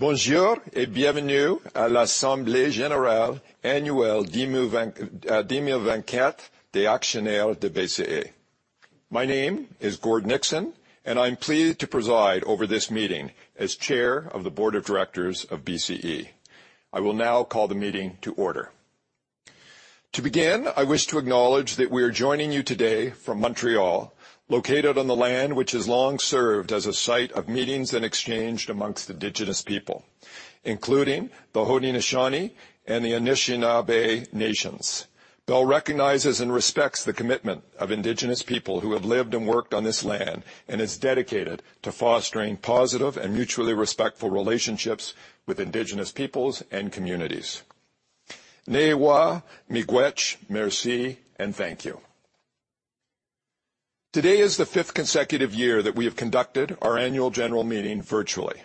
Bonjour et bienvenue à l'Assemblée générale annuelle 2024 des actionnaires de BCE. My name is Gordon Nixon, and I'm pleased to preside over this meeting as Chair of the Board of Directors of BCE. I will now call the meeting to order. To begin, I wish to acknowledge that we are joining you today from Montreal, located on the land which has long served as a site of meetings and exchange amongst Indigenous people, including the Haudenosaunee and the Anishinaabe nations. Bell recognizes and respects the commitment of Indigenous people who have lived and worked on this land and is dedicated to fostering positive and mutually respectful relationships with Indigenous peoples and communities. Néwa, Miigwech, merci, and thank you. Today is the fifth consecutive year that we have conducted our annual general meeting virtually.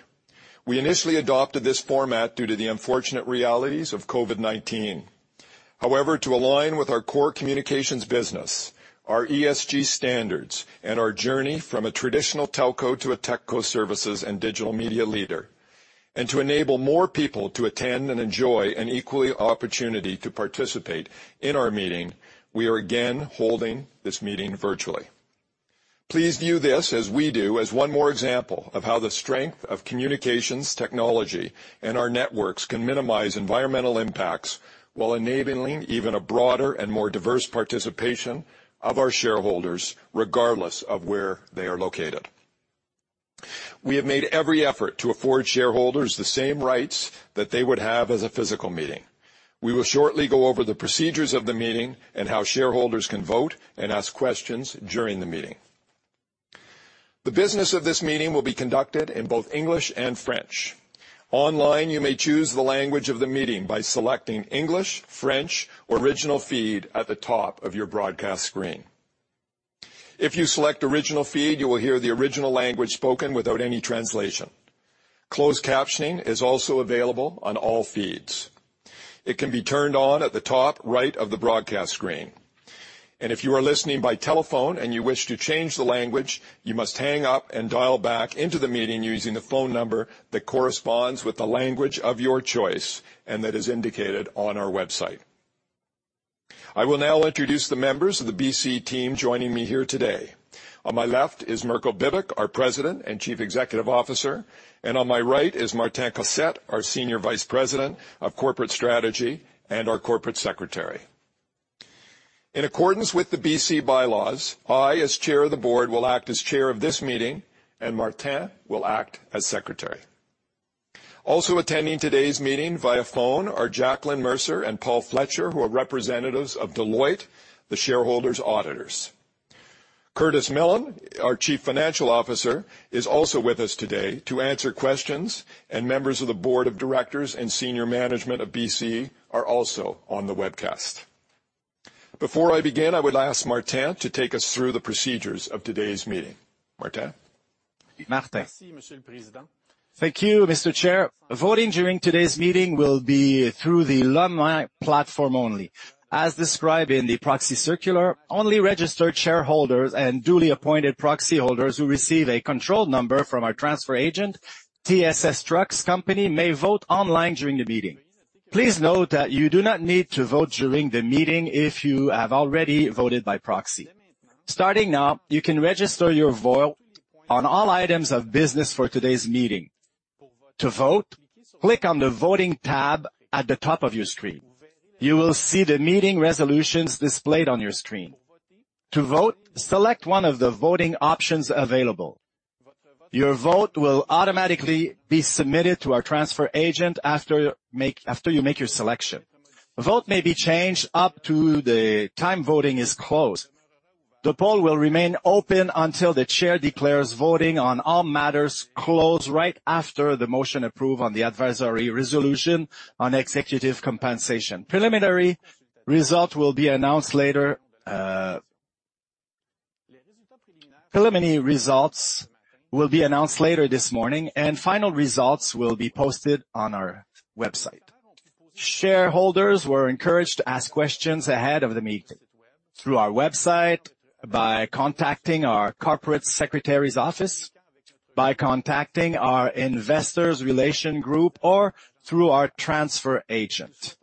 We initially adopted this format due to the unfortunate realities of COVID-19. However, to align with our core communications business, our ESG standards, and our journey from a traditional telco to a techco services and digital media leader, and to enable more people to attend and enjoy an equal opportunity to participate in our meeting, we are again holding this meeting virtually. Please view this, as we do, as one more example of how the strength of communications, technology, and our networks can minimize environmental impacts while enabling even broader and more diverse participation of our shareholders, regardless of where they are located. We have made every effort to afford shareholders the same rights that they would have at a physical meeting. We will shortly go over the procedures of the meeting and how shareholders can vote and ask questions during the meeting. The business of this meeting will be conducted in both English and French. Online, you may choose the language of the meeting by selecting English, French, or original feed at the top of your broadcast screen. If you select original feed, you will hear the original language spoken without any translation. Closed captioning is also available on all feeds. It can be turned on at the top right of the broadcast screen. If you are listening by telephone and you wish to change the language, you must hang up and dial back into the meeting using the phone number that corresponds with the language of your choice and that is indicated on our website. I will now introduce the members of the BCE team joining me here today. On my left is Mirko Bibic, our President and Chief Executive Officer, and on my right is Martin Cossette, our Senior Vice President of Corporate Strategy and our Corporate Secretary. In accordance with the BCE bylaws, I, as Chair of the Board, will act as Chair of this meeting, and Martin will act as Secretary. Also attending today's meeting via phone are Jacqueline Mercer and Paul Fletcher, who are representatives of Deloitte, the shareholders' auditors. Curtis Millen, our Chief Financial Officer, is also with us today to answer questions, and members of the Board of Directors and Senior Management of BCE are also on the webcast. Before I begin, I would ask Martin to take us through the procedures of today's meeting. Martin? Merci, Monsieur le Président. Thank you, Mr. Chair. Voting during today's meeting will be through the Lumi platform only. As described in the proxy circular, only registered shareholders and duly appointed proxy holders who receive a controlled number from our transfer agent, TSX Trust Company, may vote online during the meeting. Please note that you do not need to vote during the meeting if you have already voted by proxy. Starting now, you can register your vote on all items of business for today's meeting. To vote, click on the voting tab at the top of your screen. You will see the meeting resolutions displayed on your screen. To vote, select one of the voting options available. Your vote will automatically be submitted to our transfer agent after you make your selection. Votes may be changed up to the time voting is closed. The poll will remain open until the Chair declares voting on all matters closed right after the motion approved on the adversary resolution on executive compensation. Preliminary results will be announced later this morning, and final results will be posted on our website. Shareholders were encouraged to ask questions ahead of the meeting through our website, by contacting our Corporate Secretary's Office, by contacting our Investors Relations Group, or through our transfer agent.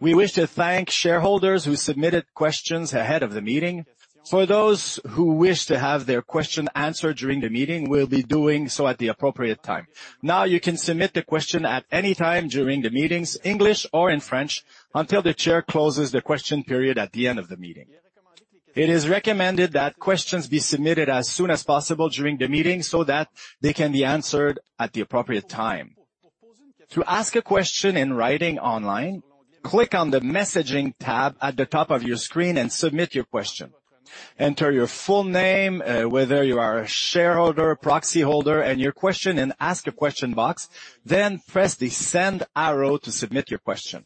We wish to thank shareholders who submitted questions ahead of the meeting. For those who wish to have their question answered during the meeting, we'll be doing so at the appropriate time. Now, you can submit the question at any time during the meeting, in English or in French, until the Chair closes the question period at the end of the meeting. It is recommended that questions be submitted as soon as possible during the meeting so that they can be answered at the appropriate time. To ask a question in writing online, click on the messaging tab at the top of your screen and submit your question. Enter your full name, whether you are a shareholder, proxy holder, and your question in the Ask a Question box, then press the send arrow to submit your question.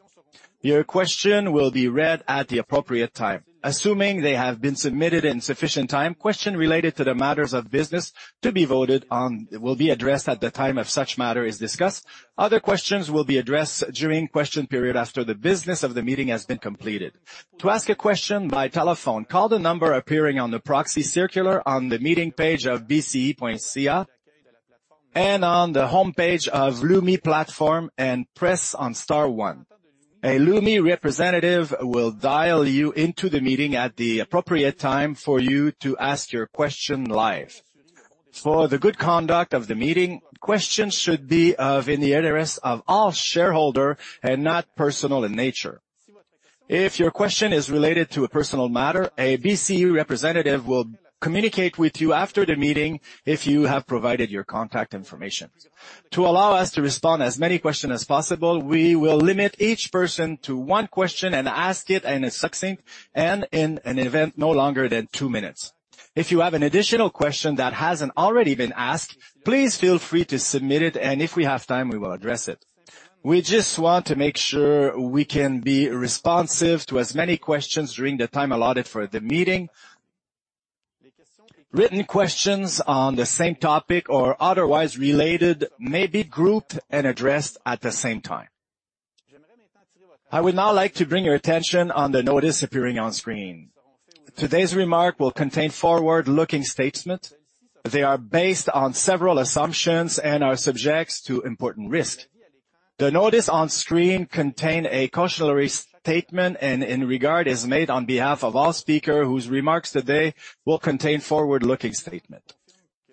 Your question will be read at the appropriate time. Assuming they have been submitted in sufficient time, questions related to the matters of business to be voted on will be addressed at the time if such matter is discussed. Other questions will be addressed during the question period after the business of the meeting has been completed. To ask a question by telephone, call the number appearing on the proxy circular on the meeting page of BCE.ca and on the homepage of Lumie platform and press star one. A Lumie representative will dial you into the meeting at the appropriate time for you to ask your question live. For the good conduct of the meeting, questions should be of the interest of all shareholders and not personal in nature. If your question is related to a personal matter, a BCE representative will communicate with you after the meeting if you have provided your contact information. To allow us to respond to as many questions as possible, we will limit each person to one question and ask that it be succinct and in no event longer than two minutes. If you have an additional question that hasn't already been asked, please feel free to submit it, and if we have time, we will address it. We just want to make sure we can be responsive to as many questions during the time allotted for the meeting. Written questions on the same topic or otherwise related may be grouped and addressed at the same time. I would now like to bring your attention to the notice appearing on screen. Today's remarks will contain forward-looking statements. They are based on several assumptions and are subject to important risks. The notice on screen contains a cautionary statement, and in that regard, it is made on behalf of all speakers whose remarks today will contain forward-looking statements.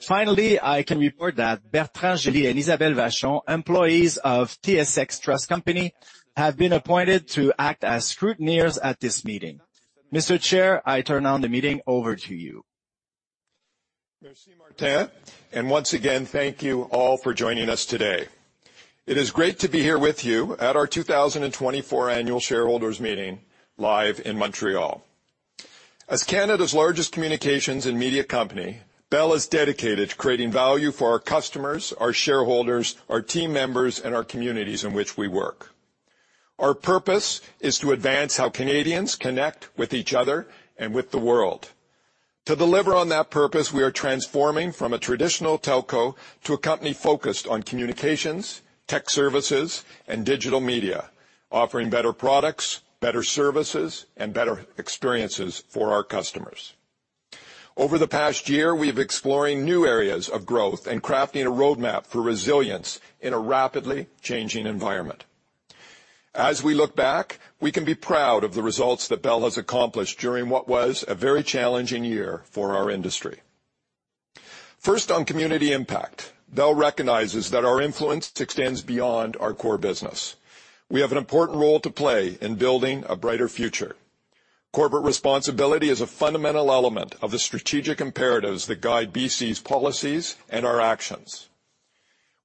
Finally, I can report that Bertrand Gelly and Isabelle Vachon, employees of TSX Trust Company, have been appointed to act as scrutineers at this meeting. Mr. Chair, I turn the meeting over to you. Merci, Martin, and once again, thank you all for joining us today. It is great to be here with you at our 2024 annual shareholders' meeting live in Montreal. As Canada's largest communications and media company, Bell is dedicated to creating value for our customers, our shareholders, our team members, and our communities in which we work. Our purpose is to advance how Canadians connect with each other and with the world. To deliver on that purpose, we are transforming from a traditional telco to a company focused on communications, tech services, and digital media, offering better products, better services, and better experiences for our customers. Over the past year, we have been exploring new areas of growth and crafting a roadmap for resilience in a rapidly changing environment. As we look back, we can be proud of the results that Bell has accomplished during what was a very challenging year for our industry. First, on community impact, Bell recognizes that our influence extends beyond our core business. We have an important role to play in building a brighter future. Corporate responsibility is a fundamental element of the strategic imperatives that guide BCE's policies and our actions.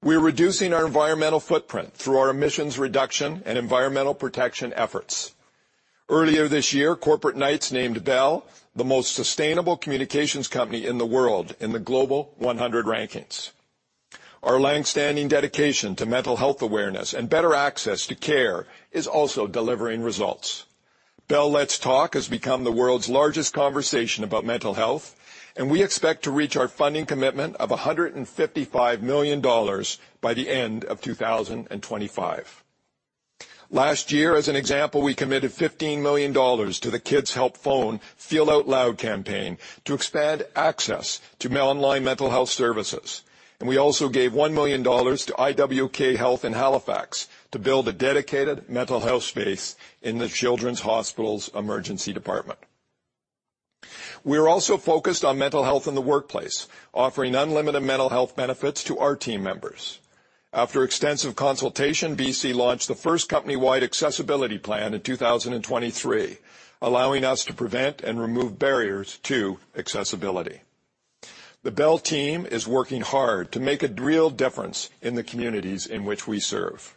We are reducing our environmental footprint through our emissions reduction and environmental protection efforts. Earlier this year, Corporate Knights named Bell the most sustainable communications company in the world in the Global 100 rankings. Our longstanding dedication to mental health awareness and better access to care is also delivering results. Bell Let's Talk has become the world's largest conversation about mental health, and we expect to reach our funding commitment of $155 million by the end of 2025. Last year, as an example, we committed $15 million to the Kids Help Phone Feel Out Loud campaign to expand access to online mental health services, and we also gave $1 million to IWK Health in Halifax to build a dedicated mental health space in the children's hospital's emergency department. We are also focused on mental health in the workplace, offering unlimited mental health benefits to our team members. After extensive consultation, BCE launched the first company-wide accessibility plan in 2023, allowing us to prevent and remove barriers to accessibility. The Bell team is working hard to make a real difference in the communities in which we serve.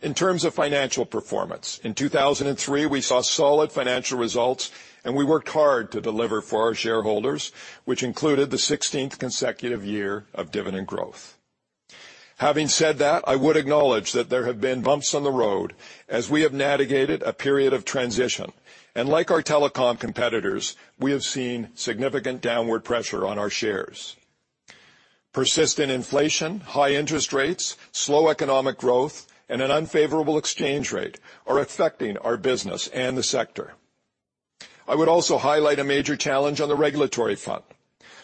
In terms of financial performance, in 2023, we saw solid financial results, and we worked hard to deliver for our shareholders, which included the 16th consecutive year of dividend growth. Having said that, I would acknowledge that there have been bumps on the road as we have navigated a period of transition, and like our telecom competitors, we have seen significant downward pressure on our shares. Persistent inflation, high interest rates, slow economic growth, and an unfavorable exchange rate are affecting our business and the sector. I would also highlight a major challenge on the regulatory front.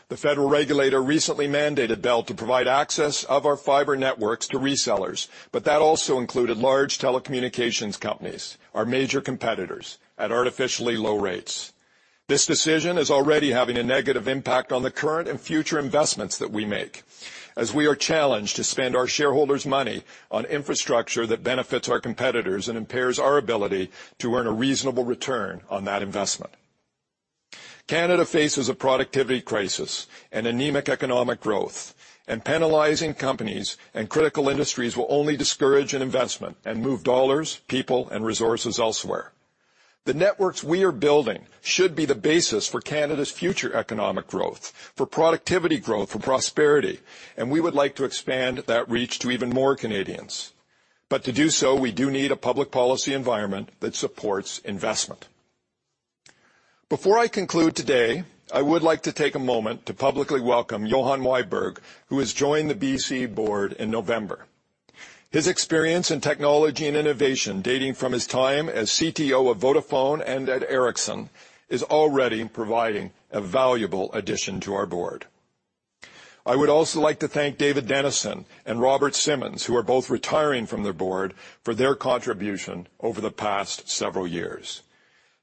The federal regulator recently mandated Bell to provide access of our fiber networks to resellers, but that also included large telecommunications companies, our major competitors, at artificially low rates. This decision is already having a negative impact on the current and future investments that we make, as we are challenged to spend our shareholders' money on infrastructure that benefits our competitors and impairs our ability to earn a reasonable return on that investment. Canada faces a productivity crisis and anemic economic growth, and penalizing companies and critical industries will only discourage investment and move dollars, people, and resources elsewhere. The networks we are building should be the basis for Canada's future economic growth, for productivity growth, for prosperity, and we would like to expand that reach to even more Canadians. But to do so, we do need a public policy environment that supports investment. Before I conclude today, I would like to take a moment to publicly welcome Johan Weiburg, who has joined the BCE Board in November. His experience in technology and innovation dating from his time as CTO of Vodafone and at Ericsson is already providing a valuable addition to our board. I would also like to thank David Denison and Robert Simmons, who are both retiring from the board, for their contribution over the past several years.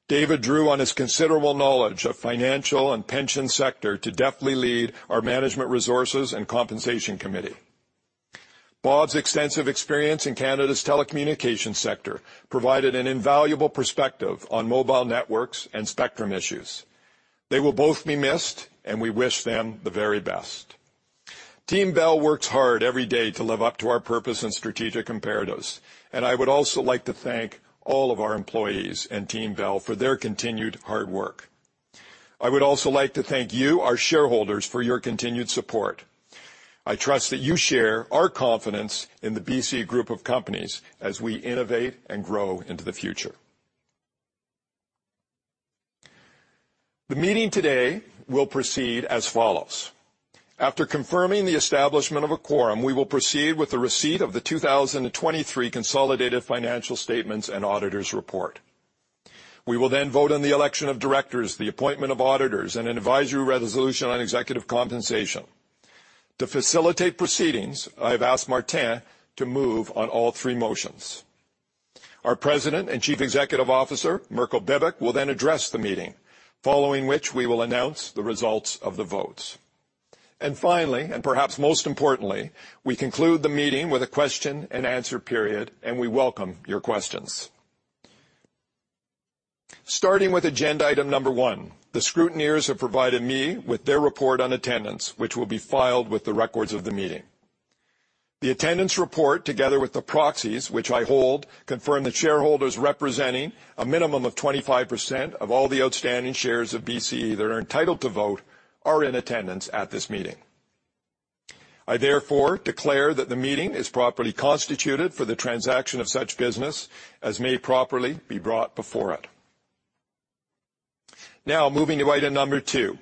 David drew on his considerable knowledge of the financial and pension sector to deftly lead our Management Resources and Compensation Committee. Bob's extensive experience in Canada's telecommunications sector provided an invaluable perspective on mobile networks and spectrum issues. They will both be missed, and we wish them the very best. Team Bell works hard every day to live up to our purpose and strategic imperatives, and I would also like to thank all of our employees and Team Bell for their continued hard work. I would also like to thank you, our shareholders, for your continued support. I trust that you share our confidence in the BCE Group of Companies as we innovate and grow into the future. The meeting today will proceed as follows. After confirming the establishment of a quorum, we will proceed with the receipt of the 2023 consolidated financial statements and auditors' report. We will then vote on the election of directors, the appointment of auditors, and an advisory resolution on executive compensation. To facilitate proceedings, I have asked Martin to move on all three motions. Our President and Chief Executive Officer, Mirko Bibic, will then address the meeting, following which we will announce the results of the votes. Finally, and perhaps most importantly, we conclude the meeting with a question and answer period, and we welcome your questions. Starting with agenda item number one, the scrutineers have provided me with their report on attendance, which will be filed with the records of the meeting. The attendance report, together with the proxies which I hold, confirm the shareholders representing a minimum of 25% of all the outstanding shares of BCE that are entitled to vote are in attendance at this meeting. I therefore declare that the meeting is properly constituted for the transaction of such business as may properly be brought before it. Now, moving to item number two,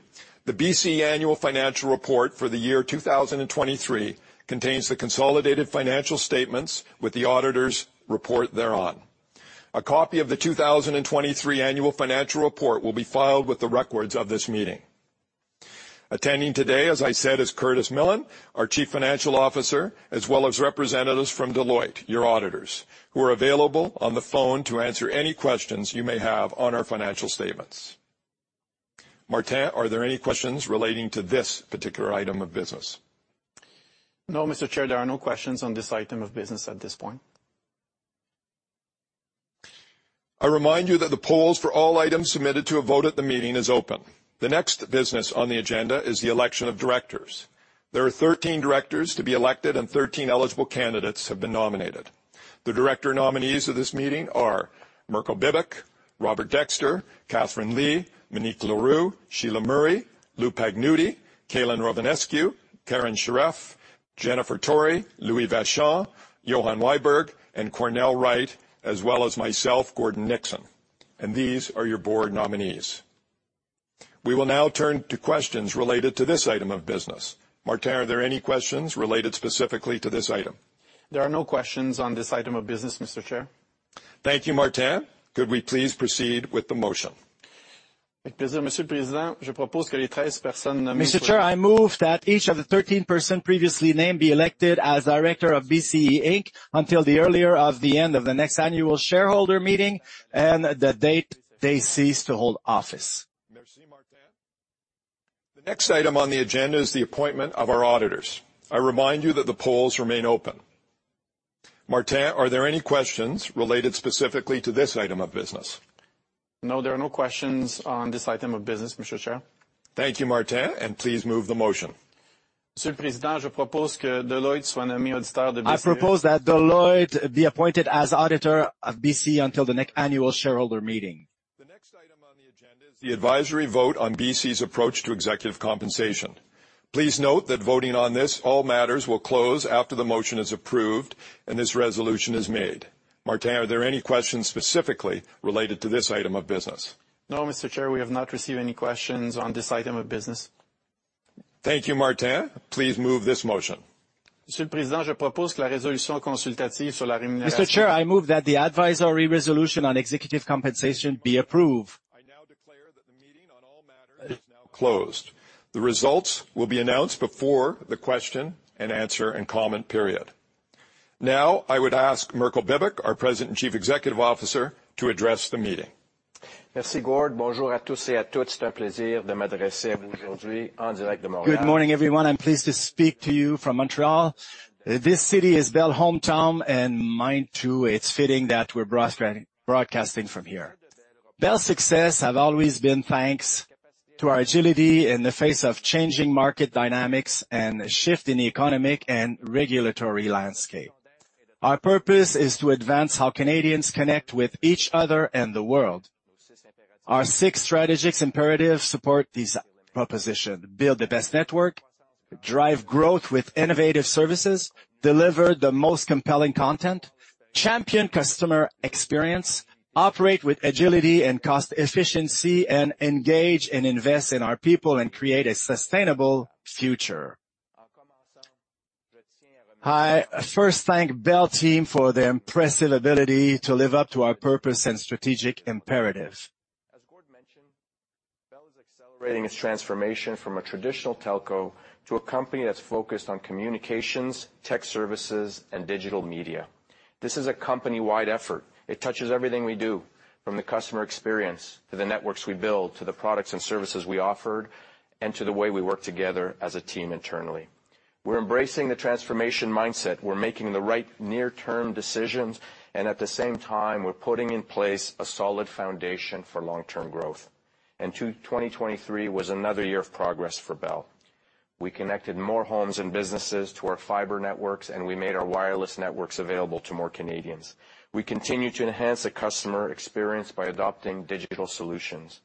the BCE annual financial report for the year 2023 contains the consolidated financial statements with the auditors' report thereon. A copy of the 2023 annual financial report will be filed with the records of this meeting. Attending today, as I said, is Curtis Millen, our Chief Financial Officer, as well as representatives from Deloitte, your auditors, who are available on the phone to answer any questions you may have on our financial statements. Martin, are there any questions relating to this particular item of business? No, Mr. Chair, there are no questions on this item of business at this point. I remind you that the polls for all items submitted to a vote at the meeting are open. The next business on the agenda is the election of directors. There are 13 directors to be elected, and 13 eligible candidates have been nominated. The director nominees of this meeting are Mirko Bibic, Robert Dexter, Catherine Lee, Monique Le Roux, Sheila Murray, Lou Pagnuti, Kaylin Rovinescue, Karen Shareff, Jennifer Tory, Louis Vachon, Johan Weiburg, and Cornell Wright, as well as myself, Gordon Nixon. These are your board nominees. We will now turn to questions related to this item of business. Martin, are there any questions related specifically to this item? There are no questions on this item of business, Mr. Chair. Thank you, Martin. Could we please proceed with the motion? Monsieur le Président, je propose que les 13 personnes nommées. Mr. Chair, I move that each of the 13 persons previously named be elected as director of BCE, Inc., until the earlier of the end of the next annual shareholder meeting and the date they cease to hold office. Merci, Martin. The next item on the agenda is the appointment of our auditors. I remind you that the polls remain open. Martin, are there any questions related specifically to this item of business? No, there are no questions on this item of business, Mr. Chair. Thank you, Martin, and please move the motion. Monsieur le Président, je propose que Deloitte soit nommé auditeur de BCE. I propose that Deloitte be appointed as auditor of BCE until the next annual shareholder meeting. The next item on the agenda is the advisory vote on BCE's approach to executive compensation. Please note that voting on all matters will close after the motion is approved and this resolution is made. Martin, are there any questions specifically related to this item of business? No, Mr. Chair, we have not received any questions on this item of business. Thank you, Martin. Please move this motion. Monsieur le Président, je propose que la résolution consultative sur la rémunération. Mr. Chair, I move that the advisory resolution on executive compensation be approved. I now declare that the meeting on all matters is now closed. The results will be announced before the question and answer and comment period. Now, I would ask Mirko Bibic, our President and Chief Executive Officer, to address the meeting. Merci, Gordon. Bonjour à tous et à toutes. C'est un plaisir de m'adresser à vous aujourd'hui en direct de Montréal. Good morning, everyone. I'm pleased to speak to you from Montreal. This city is Bell's hometown, and mind you, it's fitting that we're broadcasting from here. Bell's success has always been thanks to our agility in the face of changing market dynamics and a shift in the economic and regulatory landscape. Our purpose is to advance how Canadians connect with each other and the world. Our six strategic imperatives support this proposition: build the best network, drive growth with innovative services, deliver the most compelling content, champion customer experience, operate with agility and cost efficiency, and engage and invest in our people and create a sustainable future. I first thank Bell Team for the impressive ability to live up to our purpose and strategic imperatives. As Gordon mentioned, Bell is accelerating its transformation from a traditional telco to a company that's focused on communications, tech services, and digital media. This is a company-wide effort. It touches everything we do, from the customer experience to the networks we build, to the products and services we offer, and to the way we work together as a team internally. We're embracing the transformation mindset. We're making the right near-term decisions, and at the same time, we're putting in place a solid foundation for long-term growth. 2023 was another year of progress for Bell. We connected more homes and businesses to our fiber networks, and we made our wireless networks available to more Canadians. We continue to enhance the customer experience by adopting digital solutions.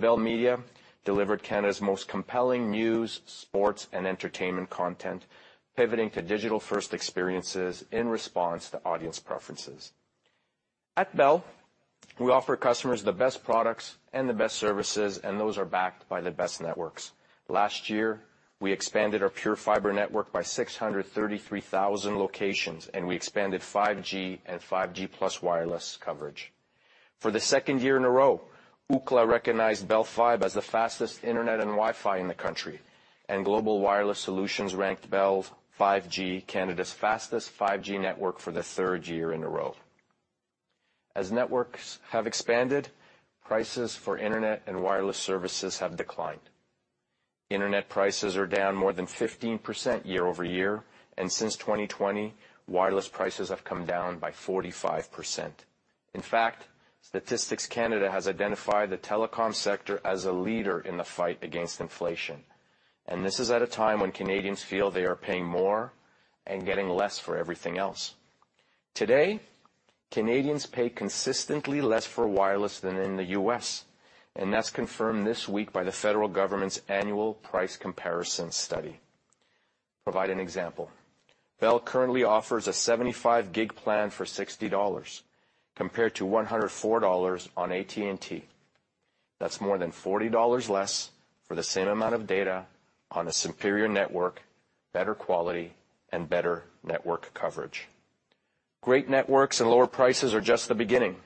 Bell Media delivered Canada's most compelling news, sports, and entertainment content, pivoting to digital-first experiences in response to audience preferences. At Bell, we offer customers the best products and the best services, and those are backed by the best networks. Last year, we expanded our pure fiber network by 633,000 locations, and we expanded 5G and 5G+ wireless coverage. For the second year in a row, Ookla recognized Bell Fiber as the fastest internet and Wi-Fi in the country, and Global Wireless Solutions ranked Bell's 5G Canada's fastest 5G network for the third year in a row. As networks have expanded, prices for internet and wireless services have declined. Internet prices are down more than 15% year over year, and since 2020, wireless prices have come down by 45%. In fact, Statistics Canada has identified the telecom sector as a leader in the fight against inflation, and this is at a time when Canadians feel they are paying more and getting less for everything else. Today, Canadians pay consistently less for wireless than in the U.S., and that's confirmed this week by the federal government's annual price comparison study. Provide an example. Bell currently offers a 75-gig plan for $60 compared to $104 on AT&T. That's more than $40 less for the same amount of data on a superior network, better quality, and better network coverage. Great networks and lower prices are just the beginning.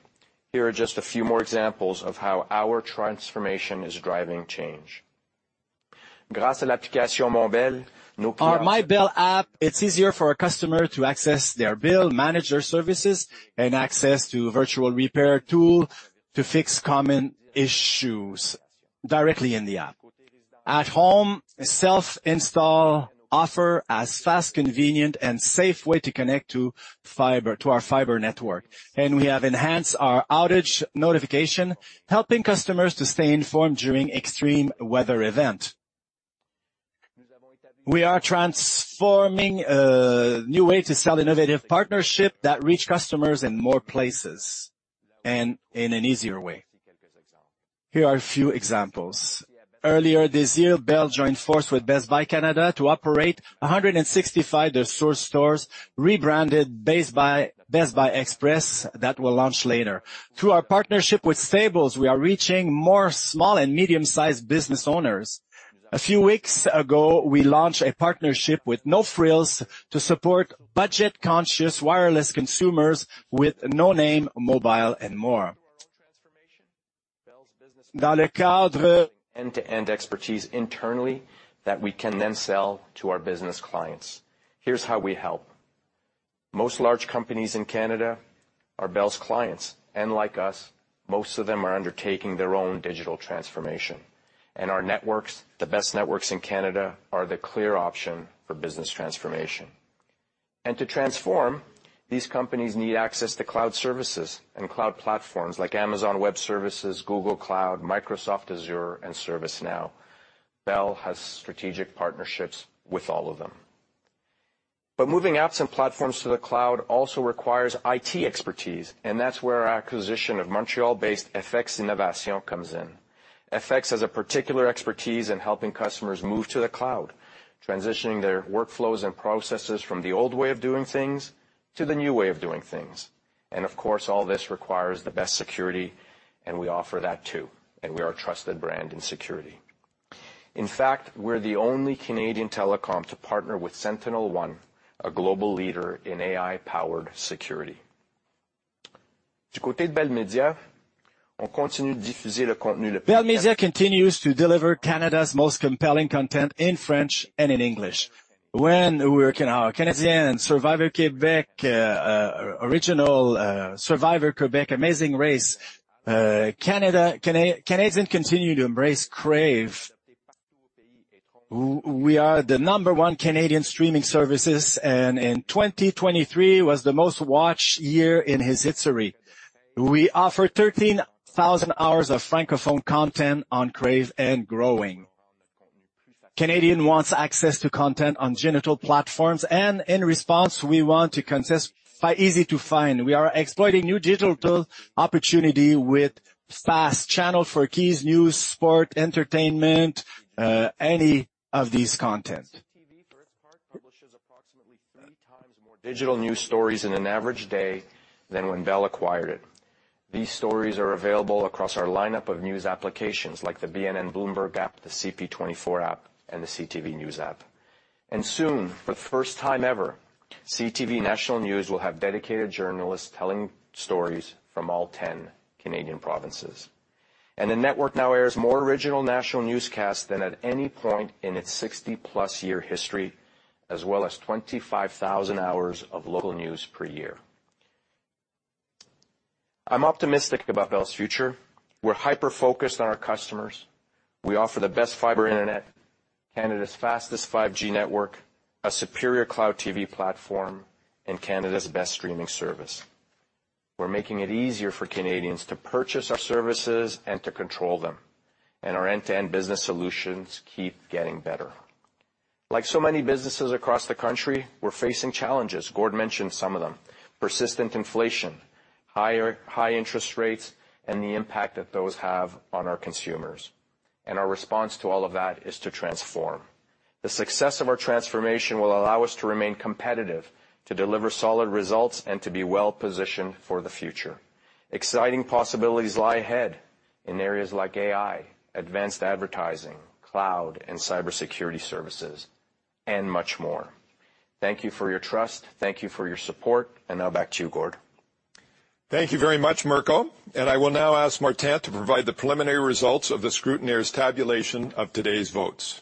Here are just a few more examples of how our transformation is driving change. On my Bell app, it's easier for a customer to access their bill, manage their services, and access a virtual repair tool to fix common issues directly in the app. At home, self-install offers a fast, convenient, and safe way to connect to our fiber network, and we have enhanced our outage notification, helping customers to stay informed during extreme weather events. We are transforming a new way to sell through innovative partnerships that reach customers in more places and in an easier way. Here are a few examples. Earlier this year, Bell joined forces with Best Buy Canada to operate 165 of their Source stores, rebranded as Best Buy Express that will launch later. Through our partnership with Staples, we are reaching more small and medium-sized business owners. A few weeks ago, we launched a partnership with No Frills to support budget-conscious wireless consumers with No Name Mobile, and more. End-to-end expertise internally that we can then sell to our business clients. Here's how we help. Most large companies in Canada are Bell's clients, and like us, most of them are undertaking their own digital transformation. Our networks, the best networks in Canada, are the clear option for business transformation. To transform, these companies need access to cloud services and cloud platforms like Amazon Web Services, Google Cloud, Microsoft Azure, and ServiceNow. Bell has strategic partnerships with all of them. But moving apps and platforms to the cloud also requires IT expertise, and that's where our acquisition of Montreal-based FX Innovation comes in. FX has a particular expertise in helping customers move to the cloud, transitioning their workflows and processes from the old way of doing things to the new way of doing things. And of course, all this requires the best security, and we offer that too, and we are a trusted brand in security. In fact, we're the only Canadian telecom to partner with SentinelOne, a global leader in AI-powered security. Du côté de Bell Media, on continue de diffuser le contenu le plus important. Bell Media continues to deliver Canada's most compelling content in French and in English. When we launched Survivor Québec, Original Survivor Québec, Amazing Race Canada, Canadians continue to embrace Crave. We are the number one Canadian streaming service, and 2023 was the most watched year in its history. We offer 13,000 hours of francophone content on Crave and growing. Canadians want access to content on digital platforms, and in response, we want to make it easy to find. We are exploiting new digital opportunities with FAST channels for kids, news, sports, entertainment, and all of these contents. Digital news stories in an average day than when Bell acquired it. These stories are available across our lineup of news applications like the BNN Bloomberg app, the CP24 app, and the CTV News app. Soon, for the first time ever, CTV National News will have dedicated journalists telling stories from all 10 Canadian provinces. The network now airs more original national newscasts than at any point in its 60-plus-year history, as well as 25,000 hours of local news per year. I'm optimistic about Bell's future. We're hyper-focused on our customers. We offer the best fiber internet, Canada's fastest 5G network, a superior cloud TV platform, and Canada's best streaming service. We're making it easier for Canadians to purchase our services and to control them, and our end-to-end business solutions keep getting better. Like so many businesses across the country, we're facing challenges. Gordon mentioned some of them: persistent inflation, high interest rates, and the impact that those have on our consumers. Our response to all of that is to transform. The success of our transformation will allow us to remain competitive, to deliver solid results, and to be well-positioned for the future. Exciting possibilities lie ahead in areas like AI, advanced advertising, cloud, and cybersecurity services, and much more. Thank you for your trust. Thank you for your support. Now back to you, Gordon. Thank you very much, Mirko. I will now ask Martin to provide the preliminary results of the scrutineer's tabulation of today's votes.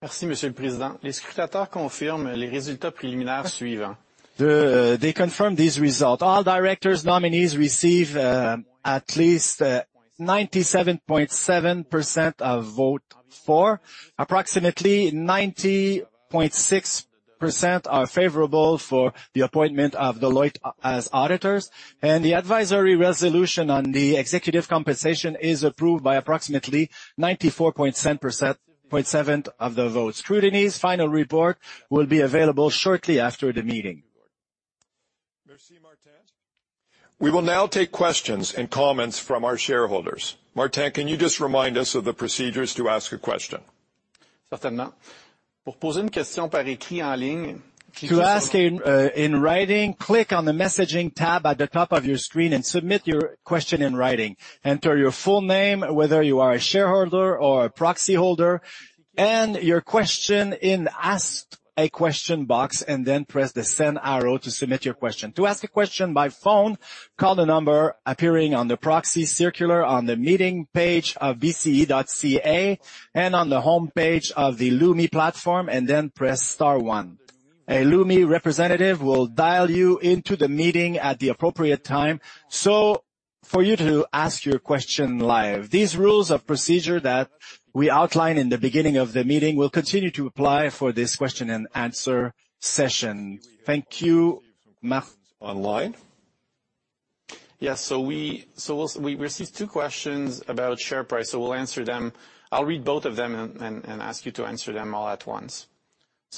Merci, Monsieur le Président. Les scrutateurs confirment les résultats préliminaires suivants. They confirm these results. All director nominees receive at least 97.7% of votes for. Approximately 90.6% are favorable for the appointment of Deloitte as auditors. And the advisory resolution on the executive compensation is approved by approximately 94.7% of the votes. Scrutineer's final report will be available shortly after the meeting. We will now take questions and comments from our shareholders. Martin, can you just remind us of the procedures to ask a question? To ask in writing, click on the messaging tab at the top of your screen and submit your question in writing. Enter your full name, whether you are a shareholder or a proxy holder, and your question in the Ask a Question box, and then press the Send arrow to submit your question. To ask a question by phone, call the number appearing on the proxy circular on the meeting page of BCE.ca and on the homepage of the Lumi platform, and then press Star 1. A Lumi representative will dial you into the meeting at the appropriate time for you to ask your question live. These rules of procedure that we outline in the beginning of the meeting will continue to apply for this question and answer session. Thank you, Martin. Online? Yes. We received two questions about share price, so we'll answer them. I'll read both of them and ask you to answer them all at once.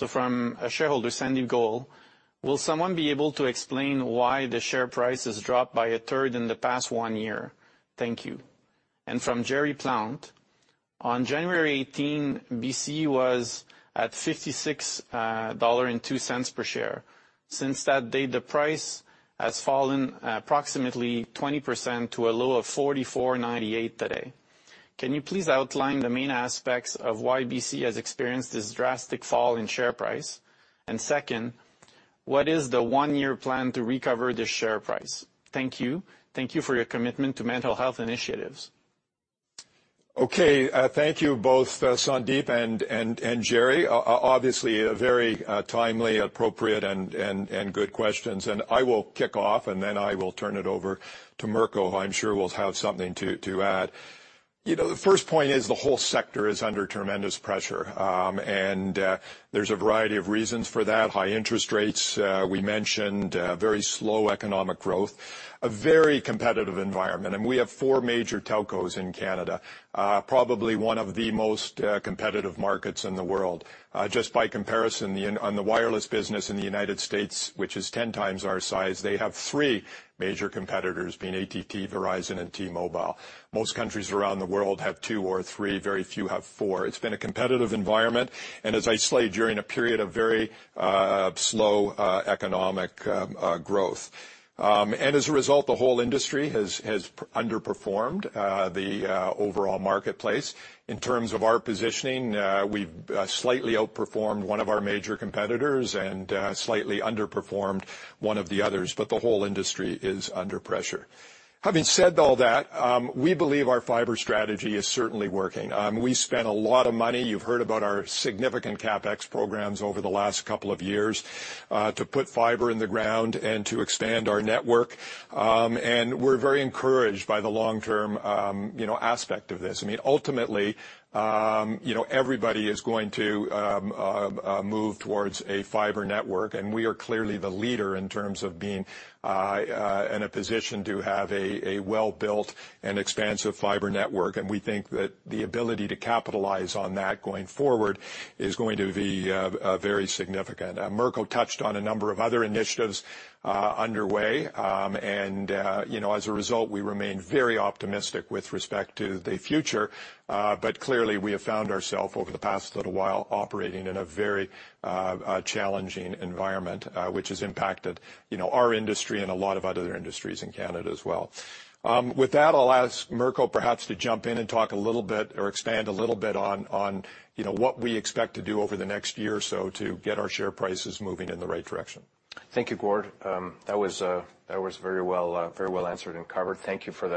From a shareholder, Sandy Goal, will someone be able to explain why the share price has dropped by a third in the past one year? Thank you. From Jerry Plant, on January 18, BCE was at $56.02 per share. Since that date, the price has fallen approximately 20% to a low of $44.98 today. Can you please outline the main aspects of why BCE has experienced this drastic fall in share price? Second, what is the one-year plan to recover this share price? Thank you. Thank you for your commitment to mental health initiatives. Okay. Thank you, both Sandeep and Jerry. Obviously, very timely, appropriate, and good questions. I will kick off, and then I will turn it over to Mirko, who I'm sure will have something to add. The first point is the whole sector is under tremendous pressure, and there's a variety of reasons for that: high interest rates we mentioned, very slow economic growth, a very competitive environment. We have four major telcos in Canada, probably one of the most competitive markets in the world. Just by comparison, on the wireless business in the United States, which is 10 times our size, they have three major competitors being AT&T, Verizon, and T-Mobile. Most countries around the world have two or three; very few have four. It's been a competitive environment during a period of very slow economic growth. As a result, the whole industry has underperformed the overall marketplace. In terms of our positioning, we've slightly outperformed one of our major competitors and slightly underperformed one of the others, but the whole industry is under pressure. Having said all that, we believe our fiber strategy is certainly working. We spent a lot of money—you've heard about our significant CapEx programs over the last couple of years—to put fiber in the ground and to expand our network, and we're very encouraged by the long-term aspect of this. I mean, ultimately, everybody is going to move towards a fiber network, and we are clearly the leader in terms of being in a position to have a well-built and expansive fiber network, and we think that the ability to capitalize on that going forward is going to be very significant. Mirko touched on a number of other initiatives underway, and as a result, we remain very optimistic with respect to the future, but clearly, we have found ourselves over the past little while operating in a very challenging environment, which has impacted our industry and a lot of other industries in Canada as well. With that, I'll ask Mirko perhaps to jump in and talk a little bit or expand a little bit on what we expect to do over the next year or so to get our share prices moving in the right direction. Thank you, Gord. That was very well answered and covered. Thank you for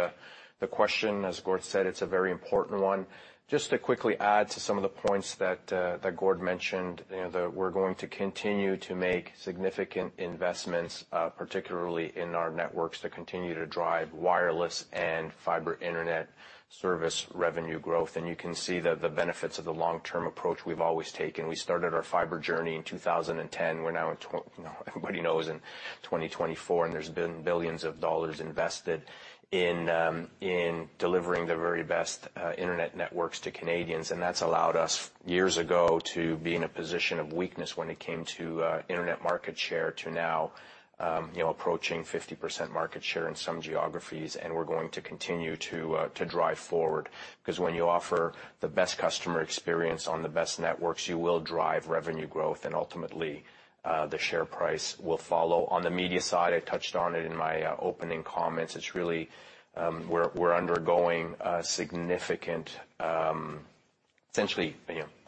the question. As Gord said, it's a very important one. Just to quickly add to some of the points that Gord mentioned, we're going to continue to make significant investments, particularly in our networks, to continue to drive wireless and fiber internet service revenue growth. You can see the benefits of the long-term approach we've always taken. We started our fiber journey in 2010. We're now in—everybody knows—in 2024, and there's been billions of dollars invested in delivering the very best internet networks to Canadians. That's allowed us, years ago, to be in a position of weakness when it came to internet market share to now approaching 50% market share in some geographies, and we're going to continue to drive forward because when you offer the best customer experience on the best networks, you will drive revenue growth, and ultimately, the share price will follow. On the media side, I touched on it in my opening comments. It's really we're undergoing significant, essentially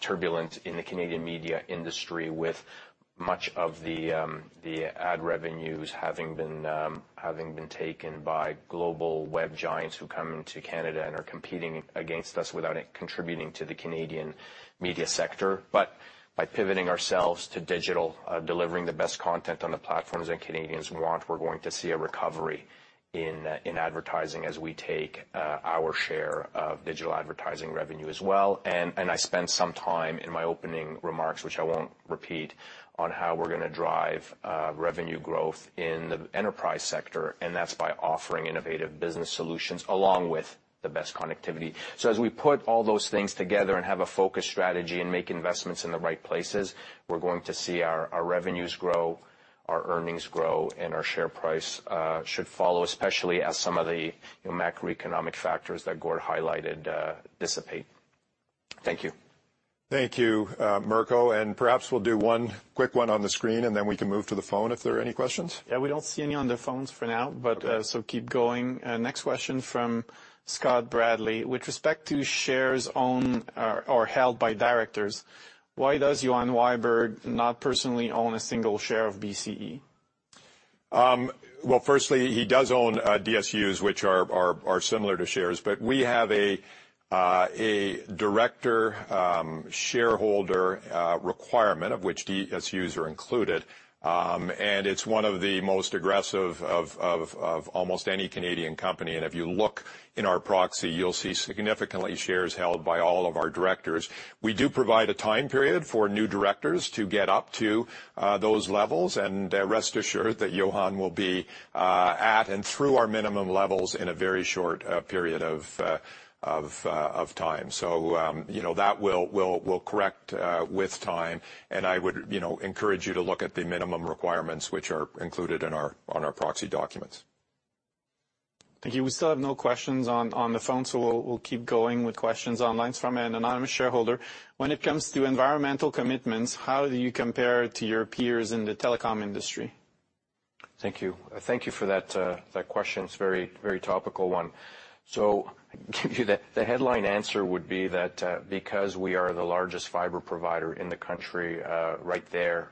turbulence in the Canadian media industry with much of the ad revenues having been taken by global web giants who come into Canada and are competing against us without contributing to the Canadian media sector. But by pivoting ourselves to digital, delivering the best content on the platforms that Canadians want, we're going to see a recovery in advertising as we take our share of digital advertising revenue as well. I spent some time in my opening remarks, which I won't repeat, on how we're going to drive revenue growth in the enterprise sector, and that's by offering innovative business solutions along with the best connectivity. As we put all those things together and have a focused strategy and make investments in the right places, we're going to see our revenues grow, our earnings grow, and our share price should follow, especially as some of the macroeconomic factors that Gord highlighted dissipate. Thank you. Thank you, Mirko. And perhaps we'll do one quick one on the screen, and then we can move to the phone if there are any questions. Yeah, we don't see any on the phones for now, so keep going. Next question from Scott Bradley. With respect to shares owned or held by directors, why does Johan Weyberg not personally own a single share of BCE? Firstly, he does own DSUs, which are similar to shares, but we have a director shareholder requirement, of which DSUs are included, and it's one of the most aggressive of almost any Canadian company. If you look in our proxy, you'll see significantly shares held by all of our directors. We do provide a time period for new directors to get up to those levels, and rest assured that Johan will be at and through our minimum levels in a very short period of time. That will correct with time, and I would encourage you to look at the minimum requirements, which are included in our proxy documents. Thank you. We still have no questions on the phone, so we'll keep going with questions online. It's from an anonymous shareholder. When it comes to environmental commitments, how do you compare to your peers in the telecom industry? Thank you. Thank you for that question. It's a very topical one. I'll give you the headline answer: it would be that because we are the largest fiber provider in the country right there,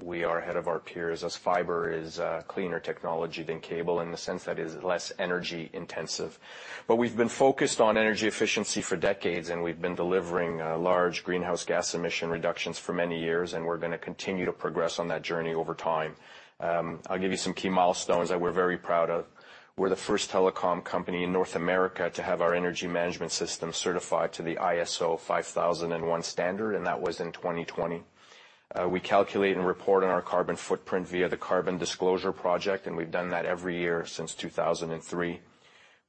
we are ahead of our peers as fiber is cleaner technology than cable in the sense that it is less energy intensive. But we've been focused on energy efficiency for decades, and we've been delivering large greenhouse gas emission reductions for many years, and we're going to continue to progress on that journey over time. I'll give you some key milestones that we're very proud of. We're the first telecom company in North America to have our energy management system certified to the ISO 50001 standard, and that was in 2020. We calculate and report on our carbon footprint via the Carbon Disclosure Project, and we've done that every year since 2003.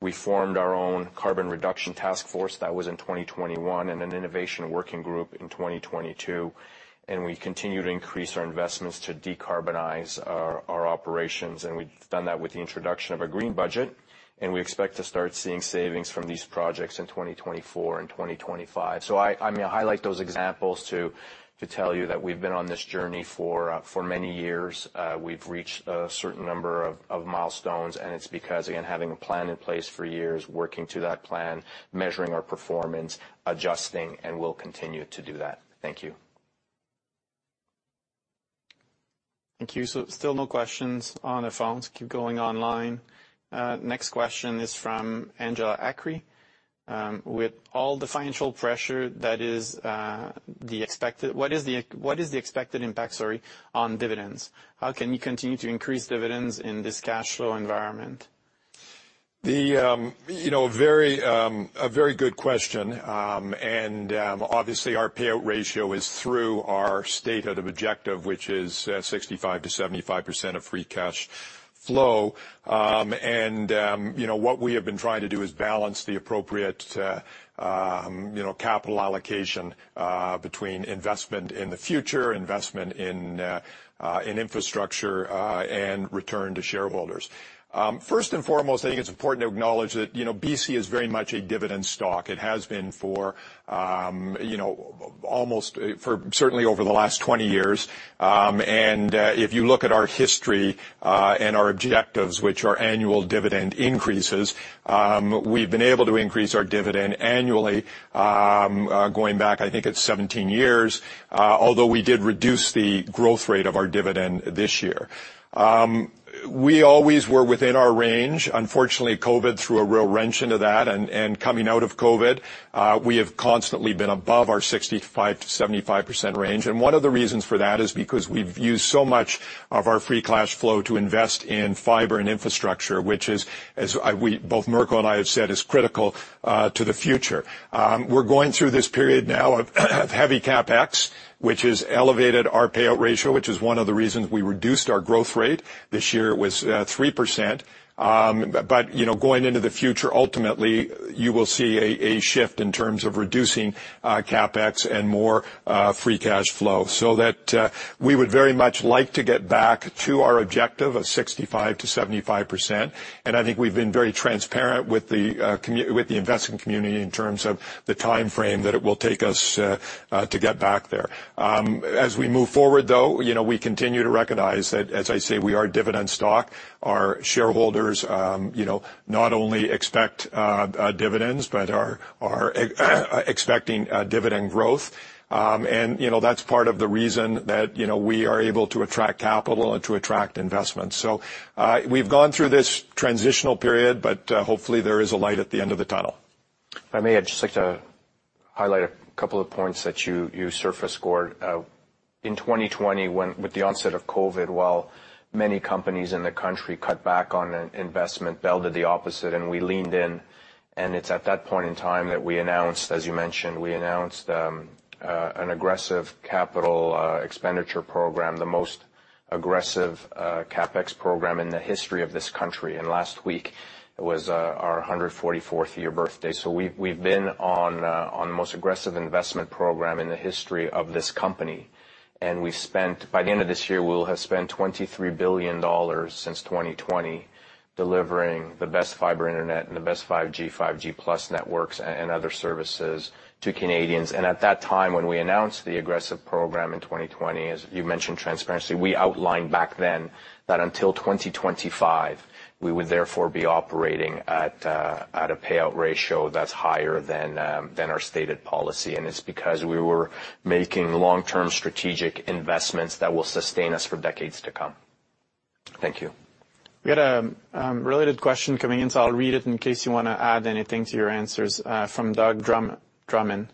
We formed our own carbon reduction task force; that was in 2021, and an innovation working group in 2022, and we continue to increase our investments to decarbonize our operations. We've done that with the introduction of a green budget, and we expect to start seeing savings from these projects in 2024 and 2025. I highlight those examples to tell you that we've been on this journey for many years. We've reached a certain number of milestones, and it's because, again, having a plan in place for years, working to that plan, measuring our performance, adjusting, and we'll continue to do that. Thank you. Thank you. Still no questions on the phones. Keep going online. Next question is from Angela Acree. With all the financial pressure that is the expected—what is the expected impact on dividends? How can you continue to increase dividends in this cash flow environment? A very good question. Obviously, our payout ratio is through our state of objective, which is 65% to 75% of free cash flow. What we have been trying to do is balance the appropriate capital allocation between investment in the future, investment in infrastructure, and return to shareholders. First and foremost, I think it's important to acknowledge that BCE is very much a dividend stock. It has been for almost—certainly over the last 20 years. If you look at our history and our objectives, which are annual dividend increases, we've been able to increase our dividend annually, going back, I think, it's 17 years, although we did reduce the growth rate of our dividend this year. We always were within our range. Unfortunately, COVID threw a real wrench into that, and coming out of COVID, we have constantly been above our 65% to 75% range. One of the reasons for that is because we've used so much of our free cash flow to invest in fiber and infrastructure, which is, as both Mirko and I have said, critical to the future. We're going through this period now of heavy CapEx, which has elevated our payout ratio, which is one of the reasons we reduced our growth rate. This year, it was 3%. Going into the future, ultimately, you will see a shift in terms of reducing CapEx and more free cash flow. We would very much like to get back to our objective of 65% to 75%, and I think we've been very transparent with the investment community in terms of the time frame that it will take us to get back there. As we move forward, though, we continue to recognize that, as I say, we are a dividend stock. Our shareholders not only expect dividends but are expecting dividend growth, and that's part of the reason that we are able to attract capital and to attract investments. So we've gone through this transitional period, but hopefully, there is a light at the end of the tunnel. If I may, I'd just like to highlight a couple of points that you surfaced, Gord. In 2020, with the onset of COVID, while many companies in the country cut back on investment, Bell did the opposite, and we leaned in. It's at that point in time that we announced, as you mentioned, we announced an aggressive capital expenditure program, the most aggressive CapEx program in the history of this country. Last week, it was our 144th year birthday. So we've been on the most aggressive investment program in the history of this company, and we've spent—by the end of this year, we will have spent $23 billion since 2020 delivering the best fiber internet and the best 5G, 5G Plus networks and other services to Canadians. At that time, when we announced the aggressive program in 2020, as you mentioned transparently, we outlined back then that until 2025, we would therefore be operating at a payout ratio that's higher than our stated policy. It's because we were making long-term strategic investments that will sustain us for decades to come. Thank you. We had a related question coming in, so I'll read it in case you want to add anything to your answers. From Doug Drummond.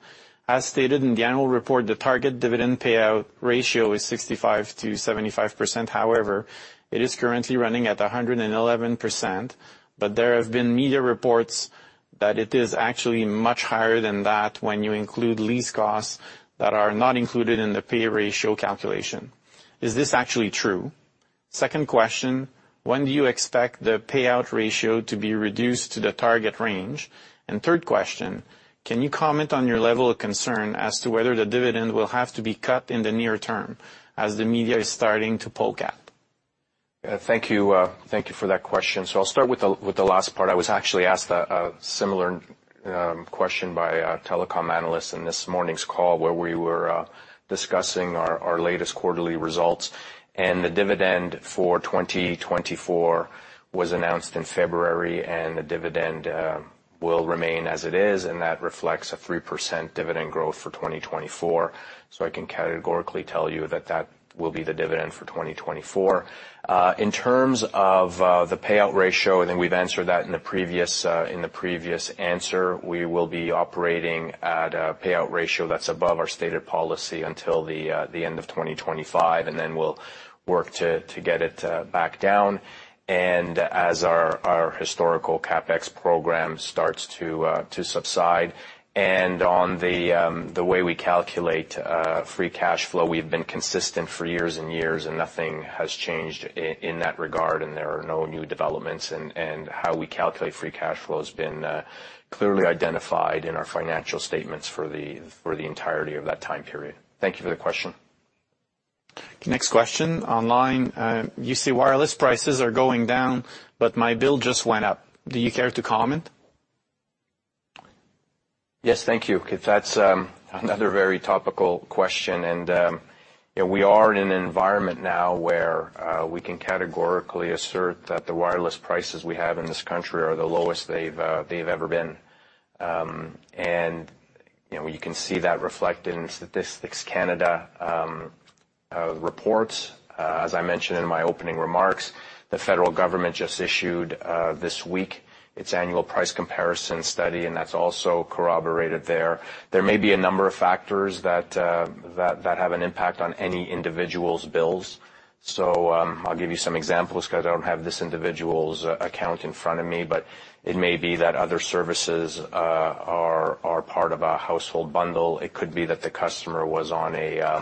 As stated in the annual report, the target dividend payout ratio is 65% to 75%. However, it is currently running at 111%, but there have been media reports that it is actually much higher than that when you include lease costs that are not included in the payout ratio calculation. Is this actually true? Second question. When do you expect the payout ratio to be reduced to the target range? Third question. Can you comment on your level of concern as to whether the dividend will have to be cut in the near term as the media is starting to speculate? Thank you for that question. I'll start with the last part. I was actually asked a similar question by a telecom analyst in this morning's call where we were discussing our latest quarterly results, and the dividend for 2024 was announced in February, and the dividend will remain as it is, and that reflects a 3% dividend growth for 2024. I can categorically tell you that that will be the dividend for 2024. In terms of the payout ratio, I think we've answered that in the previous answer. We will be operating at a payout ratio that's above our stated policy until the end of 2025, and then we'll work to get it back down as our historical CapEx program starts to subside. On the way we calculate free cash flow, we've been consistent for years and years, and nothing has changed in that regard, and there are no new developments. How we calculate free cash flow has been clearly identified in our financial statements for the entirety of that time period. Thank you for the question. Next question online. You say wireless prices are going down, but my bill just went up. Do you care to comment? Yes, thank you, because that's another very topical question. We are in an environment now where we can categorically assert that the wireless prices we have in this country are the lowest they've ever been. You can see that reflected in Statistics Canada reports. As I mentioned in my opening remarks, the federal government just issued this week its annual price comparison study, and that's also corroborated there. There may be a number of factors that have an impact on any individual's bills. I'll give you some examples because I don't have this individual's account in front of me, but it may be that other services are part of a household bundle. It could be that the customer was on a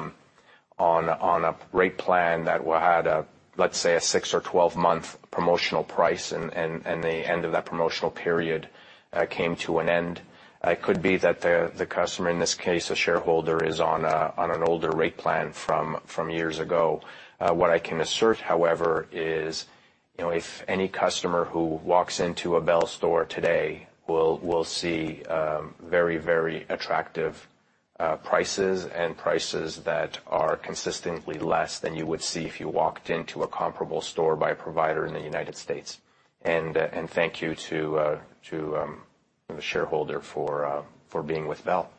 rate plan that had, let's say, a six or 12-month promotional price, and the end of that promotional period came to an end. It could be that the customer, in this case, a shareholder, is on an older rate plan from years ago. What I can assert, however, is if any customer who walks into a Bell store today will see very, very attractive prices and prices that are consistently less than you would see if you walked into a comparable store by a provider in the United States. Thank you to the shareholder for being with Bell.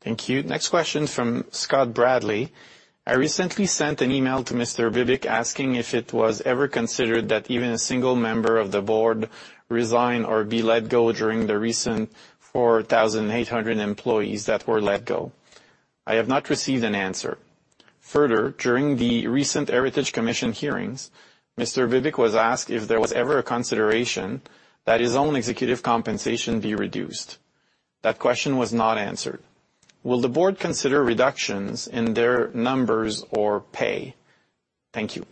Thank you. Next question from Scott Bradley. I recently sent an email to Mr. Bibic asking if it was ever considered that even a single member of the board resigned or be let go during the recent 4,800 employees that were let go. I have not received an answer. Further, during the recent Heritage Commission hearings, Mr. Bibic was asked if there was ever a consideration that his own executive compensation be reduced. That question was not answered. Will the board consider reductions in their numbers or pay? Thank you.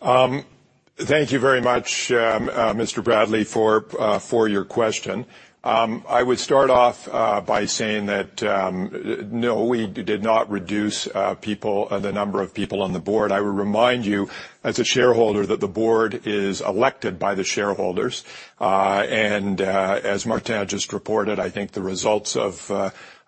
Thank you very much, Mr. Bradley, for your question. I would start off by saying that no, we did not reduce the number of people on the board. I would remind you, as a shareholder, that the board is elected by the shareholders. As Martin just reported, I think the results of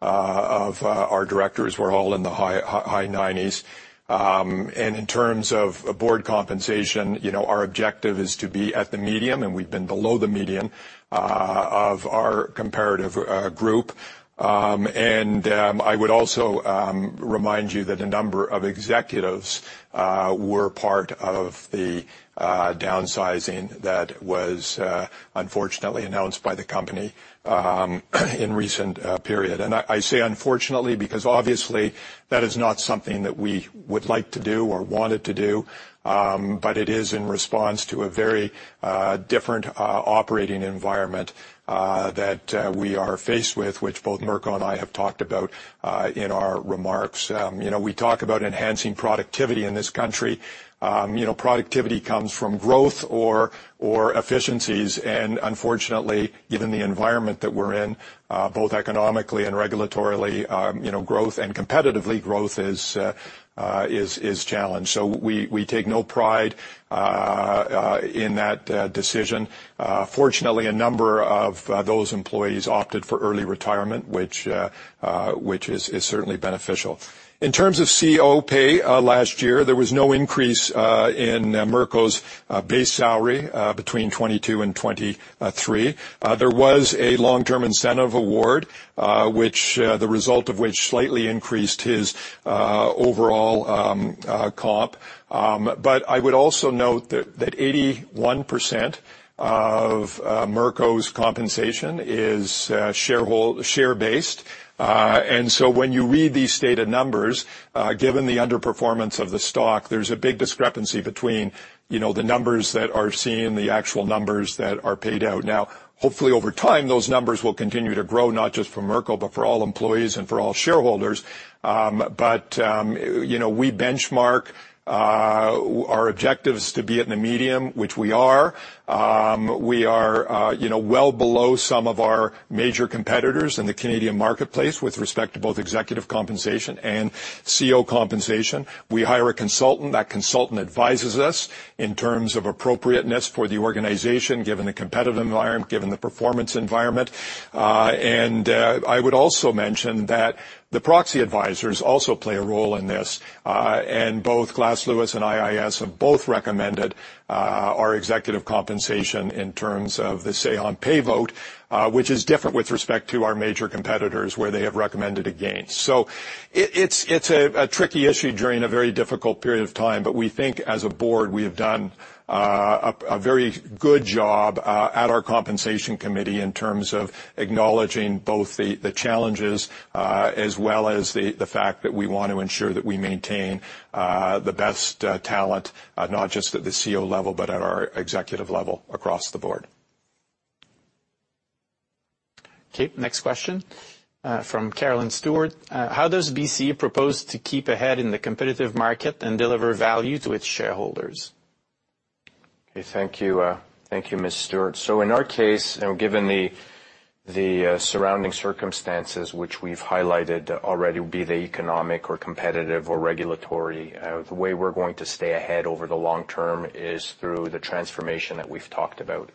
our directors were all in the high 90s. In terms of board compensation, our objective is to be at the median, and we've been below the median of our comparative group. I would also remind you that a number of executives were part of the downsizing that was unfortunately announced by the company in a recent period. I say unfortunately because obviously, that is not something that we would like to do or wanted to do, but it is in response to a very different operating environment that we are faced with, which both Mirko and I have talked about in our remarks. We talk about enhancing productivity in this country. Productivity comes from growth or efficiencies, and unfortunately, given the environment that we're in, both economically and regulatorily, growth and competitively growth is challenged. So we take no pride in that decision. Fortunately, a number of those employees opted for early retirement, which is certainly beneficial. In terms of CEO pay last year, there was no increase in Mirko's base salary between 2022 and 2023. There was a long-term incentive award, the result of which slightly increased his overall comp. But I would also note that 81% of Mirko's compensation is share-based. When you read these stated numbers, given the underperformance of the stock, there's a big discrepancy between the numbers that are seen and the actual numbers that are paid out. Hopefully, over time, those numbers will continue to grow, not just for Mirko, but for all employees and for all shareholders. We benchmark our objectives to be at the medium, which we are. We are well below some of our major competitors in the Canadian marketplace with respect to both executive compensation and CEO compensation. We hire a consultant. That consultant advises us in terms of appropriateness for the organization, given the competitive environment, given the performance environment. I would also mention that the proxy advisors also play a role in this. Both Glass Lewis and ISS have recommended our executive compensation in terms of the say-on-pay vote, which is different with respect to our major competitors, where they have recommended against. So it's a tricky issue during a very difficult period of time, but we think, as a board, we have done a very good job at our compensation committee in terms of acknowledging both the challenges as well as the fact that we want to ensure that we maintain the best talent, not just at the CEO level but at our executive level across the board. Okay. Next question from Carolyn Stewart. How does BCE propose to keep ahead in the competitive market and deliver value to its shareholders? Thank you, Ms. Stewart. So in our case, and given the surrounding circumstances, which we've highlighted already, be they economic or competitive or regulatory, the way we're going to stay ahead over the long term is through the transformation that we've talked about.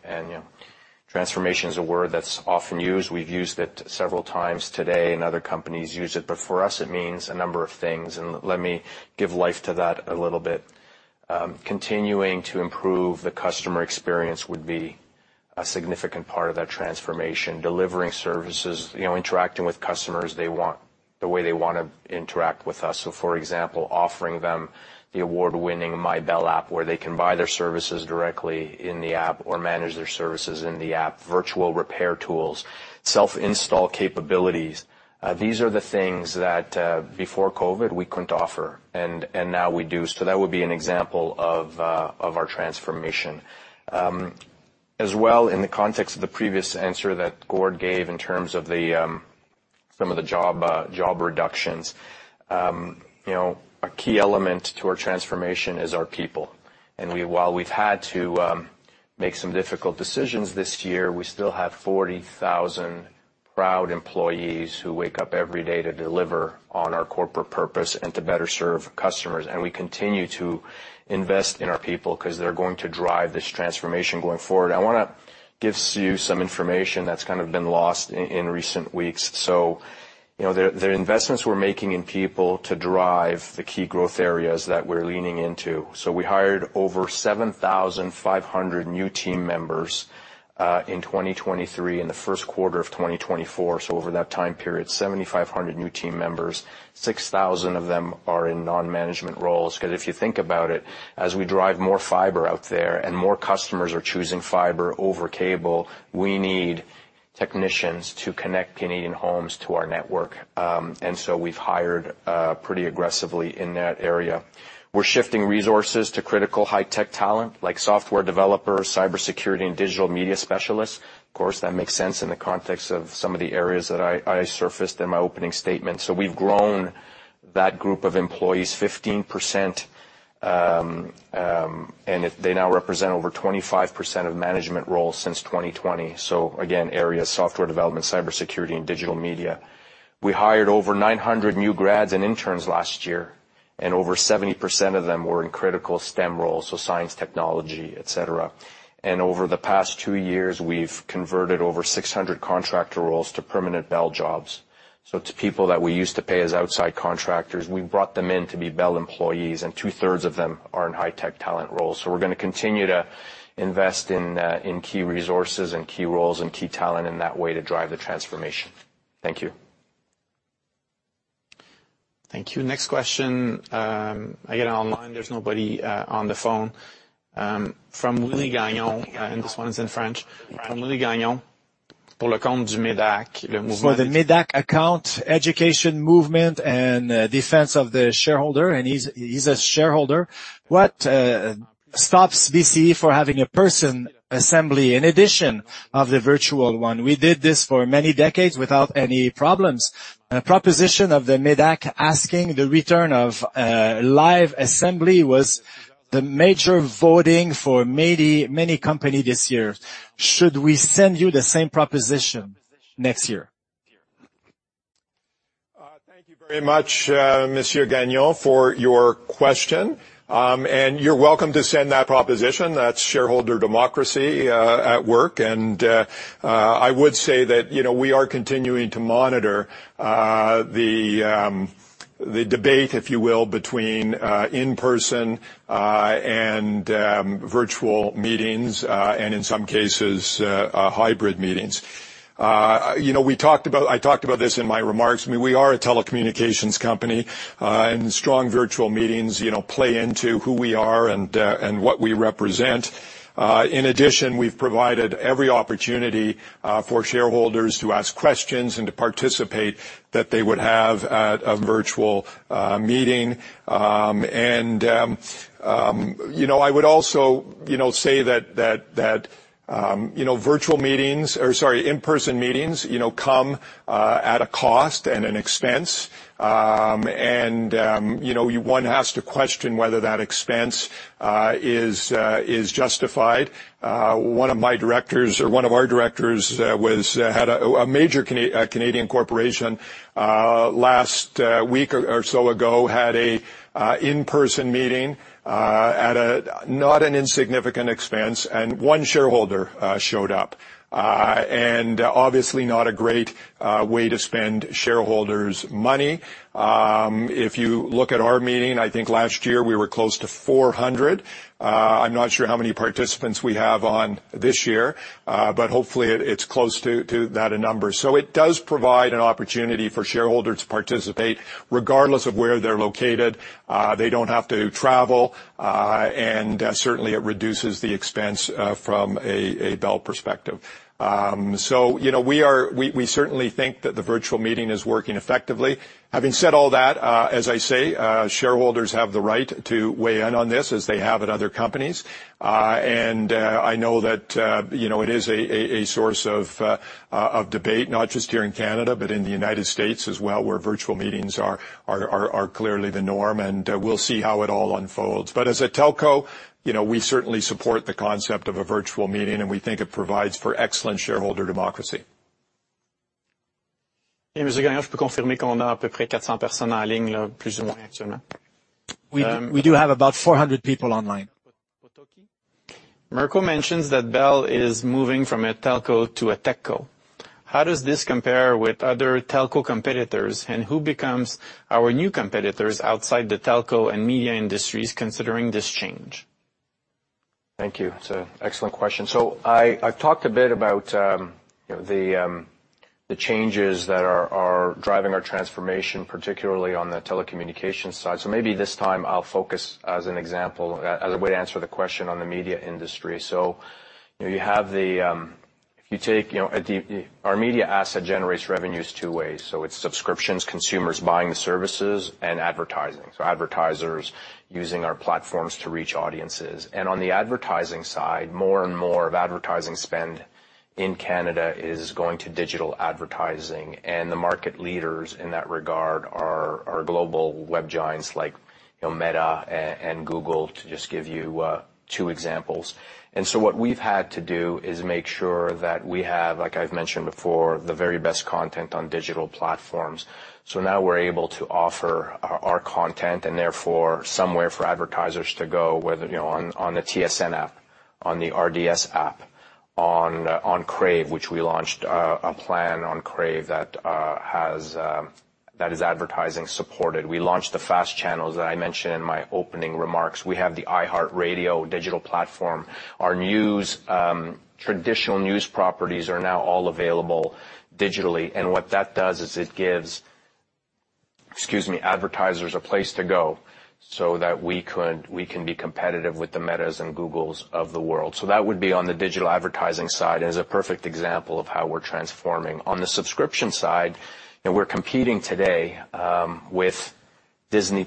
Transformation is a word that's often used. We've used it several times today, and other companies use it, but for us, it means a number of things. Let me give life to that a little bit. Continuing to improve the customer experience would be a significant part of that transformation, delivering services, interacting with customers the way they want to interact with us. For example, offering them the award-winning MyBelle app, where they can buy their services directly in the app or manage their services in the app, virtual repair tools, self-install capabilities. These are the things that, before COVID, we couldn't offer, and now we do. That would be an example of our transformation. As well, in the context of the previous answer that Gord gave in terms of some of the job reductions, a key element to our transformation is our people. While we've had to make some difficult decisions this year, we still have 40,000 proud employees who wake up every day to deliver on our corporate purpose and to better serve customers. We continue to invest in our people because they're going to drive this transformation going forward. I want to give you some information that's kind of been lost in recent weeks. The investments we're making in people to drive the key growth areas that we're leaning into. We hired over 7,500 new team members in 2023, in the first quarter of 2024. Over that time period, 7,500 new team members, 6,000 of them are in non-management roles. If you think about it, as we drive more fiber out there and more customers are choosing fiber over cable, we need technicians to connect Canadian homes to our network. We've hired pretty aggressively in that area. We're shifting resources to critical high-tech talent like software developers, cybersecurity, and digital media specialists. That makes sense in the context of some of the areas that I surfaced in my opening statement. We've grown that group of employees 15%, and they now represent over 25% of management roles since 2020. Again, areas: software development, cybersecurity, and digital media. We hired over 900 new grads and interns last year, and over 70% of them were in critical STEM roles, science, technology, etc. Over the past two years, we've converted over 600 contractor roles to permanent Belle jobs. People that we used to pay as outside contractors, we brought them in to be Belle employees, and two-thirds of them are in high-tech talent roles. We're going to continue to invest in key resources and key roles and key talent in that way to drive the transformation. Thank you. Thank you. Next question. I get an online. There's nobody on the phone. From Louis Gagnon, and this one is in French. From Louis Gagnon, pour le compte du MEDAC, le mouvement. For the MEDAC account, education movement, and defense of the shareholder, and he's a shareholder, what stops BCE from having a person assembly in addition to the virtual one? We did this for many decades without any problems. A proposition of the MEDAC asking the return of live assembly was the major voting for many companies this year. Should we send you the same proposition next year? Thank you very much, Monsieur Gagnon, for your question. You're welcome to send that proposition. That's shareholder democracy at work. I would say that we are continuing to monitor the debate, if you will, between in-person and virtual meetings and, in some cases, hybrid meetings. I talked about this in my remarks. I mean, we are a telecommunications company, and strong virtual meetings play into who we are and what we represent. In addition, we've provided every opportunity for shareholders to ask questions and to participate that they would have at a virtual meeting. I would also say that virtual meetings or, sorry, in-person meetings come at a cost and an expense. One has to question whether that expense is justified. One of my directors or one of our directors had a major Canadian corporation last week or so ago, had an in-person meeting at not an insignificant expense, and one shareholder showed up. Obviously, not a great way to spend shareholders' money. If you look at our meeting, I think last year we were close to 400. I'm not sure how many participants we have on this year, but hopefully, it's close to that number. It does provide an opportunity for shareholders to participate regardless of where they're located. They don't have to travel, and certainly, it reduces the expense from a Belle perspective. We certainly think that the virtual meeting is working effectively. Having said all that, as I say, shareholders have the right to weigh in on this as they have at other companies. I know that it is a source of debate, not just here in Canada but in the United States as well, where virtual meetings are clearly the norm. We'll see how it all unfolds. But as a telco, we certainly support the concept of a virtual meeting, and we think it provides for excellent shareholder democracy. Et Monsieur Gagnon, je peux confirmer qu'on a à peu près 400 personnes en ligne, plus ou moins, actuellement? We do have about 400 people online. Mirko mentions that Belle is moving from a telco to a techco. How does this compare with other telco competitors, and who becomes our new competitors outside the telco and media industries considering this change? Thank you. It's an excellent question. I've talked a bit about the changes that are driving our transformation, particularly on the telecommunications side. Maybe this time, I'll focus, as an example, as a way to answer the question on the media industry. You have the if you take our media asset generates revenues two ways. It's subscriptions, consumers buying the services, and advertising. Advertisers using our platforms to reach audiences. On the advertising side, more and more of advertising spend in Canada is going to digital advertising. The market leaders in that regard are global web giants like Meta and Google, to just give you two examples. What we've had to do is make sure that we have, like I've mentioned before, the very best content on digital platforms. Now we're able to offer our content and, therefore, somewhere for advertisers to go, whether on the TSN app, on the RDS app, on Crave, which we launched a plan on Crave that is advertising supported. We launched the fast channels that I mentioned in my opening remarks. We have the iHeartRadio digital platform. Our traditional news properties are now all available digitally. What that does is it gives advertisers a place to go so that we can be competitive with the Metas and Googles of the world. That would be on the digital advertising side and is a perfect example of how we're transforming. On the subscription side, we're competing today with Disney+,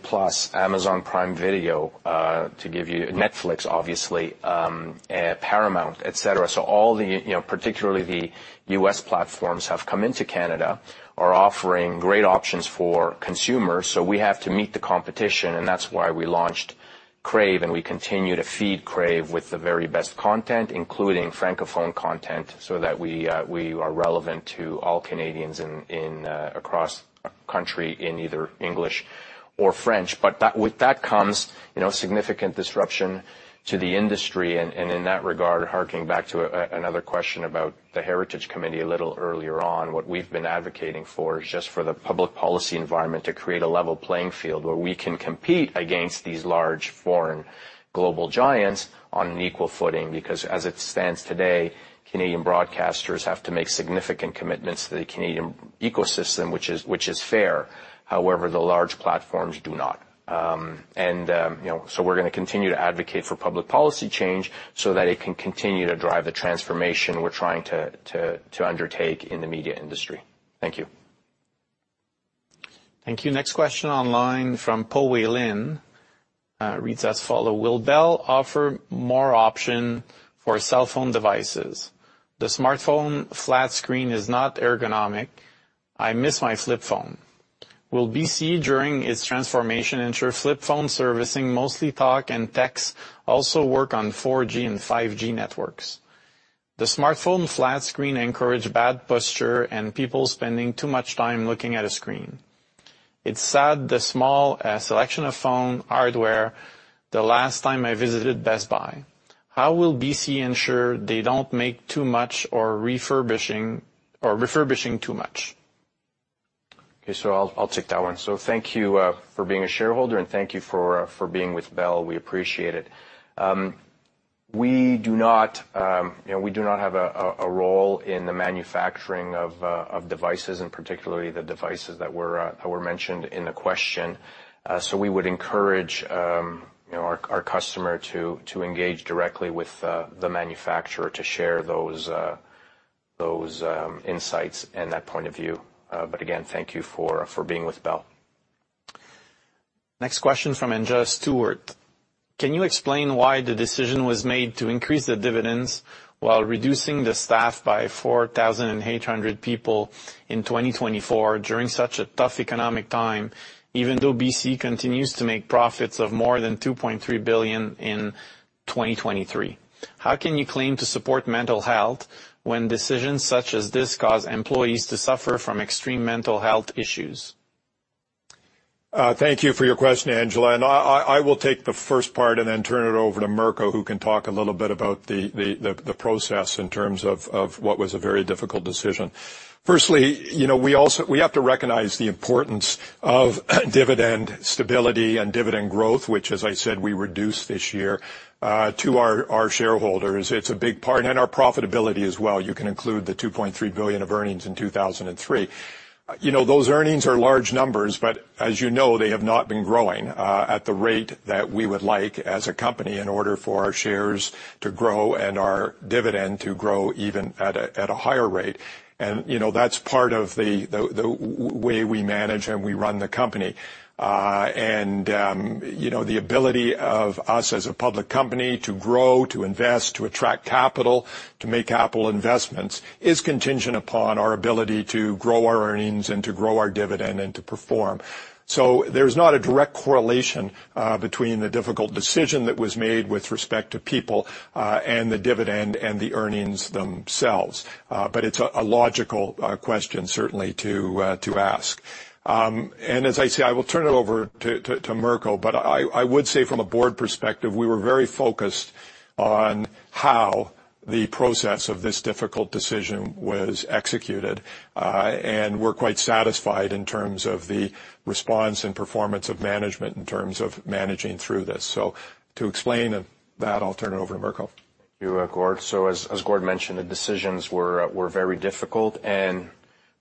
Amazon Prime Video, Netflix, obviously, Paramount, etc. Particularly, the US platforms have come into Canada, are offering great options for consumers. We have to meet the competition, and that's why we launched Crave. We continue to feed Crave with the very best content, including Francophone content, so that we are relevant to all Canadians across our country in either English or French. But with that comes significant disruption to the industry. In that regard, harkening back to another question about the Heritage Committee a little earlier on, what we've been advocating for is just for the public policy environment to create a level playing field where we can compete against these large foreign global giants on an equal footing. Because as it stands today, Canadian broadcasters have to make significant commitments to the Canadian ecosystem, which is fair. However, the large platforms do not. We're going to continue to advocate for public policy change so that it can continue to drive the transformation we're trying to undertake in the media industry. Thank you. Thank you. Next question online from Po Weilin reads as follows: Will Bell offer more options for cell phone devices? The smartphone flat screen is not ergonomic. I miss my flip phone. Will BCE, during its transformation, ensure flip phone servicing, mostly talk and text, also work on 4G and 5G networks? The smartphone flat screen encourages bad posture and people spending too much time looking at a screen. It's sad the small selection of phone hardware the last time I visited Best Buy. How will BCE ensure they don't make too much or refurbishing too much? So I'll take that one. Thank you for being a shareholder, and thank you for being with Bell. We appreciate it. We do not have a role in the manufacturing of devices, and particularly the devices that were mentioned in the question. We would encourage our customer to engage directly with the manufacturer to share those insights and that point of view. But again, thank you for being with Bell. Next question from Anja Stewart: Can you explain why the decision was made to increase the dividends while reducing the staff by 4,800 people in 2024 during such a tough economic time, even though BCE continues to make profits of more than $2.3 billion in 2023? How can you claim to support mental health when decisions such as this cause employees to suffer from extreme mental health issues? Thank you for your question, Angela. I will take the first part and then turn it over to Mirko, who can talk a little bit about the process in terms of what was a very difficult decision. Firstly, we have to recognize the importance of dividend stability and dividend growth, which, as I said, we reduced this year to our shareholders. It's a big part. Our profitability as well. You can include the $2.3 billion of earnings in 2003. Those earnings are large numbers, but as you know, they have not been growing at the rate that we would like as a company in order for our shares to grow and our dividend to grow even at a higher rate. That's part of the way we manage and we run the company. The ability of us as a public company to grow, to invest, to attract capital, to make capital investments is contingent upon our ability to grow our earnings and to grow our dividend and to perform. So there's not a direct correlation between the difficult decision that was made with respect to people and the dividend and the earnings themselves. But it's a logical question, certainly, to ask. As I say, I will turn it over to Mirko. But I would say, from a board perspective, we were very focused on how the process of this difficult decision was executed. We're quite satisfied in terms of the response and performance of management in terms of managing through this. So to explain that, I'll turn it over to Mirko. Thank you, Gord. As Gord mentioned, the decisions were very difficult.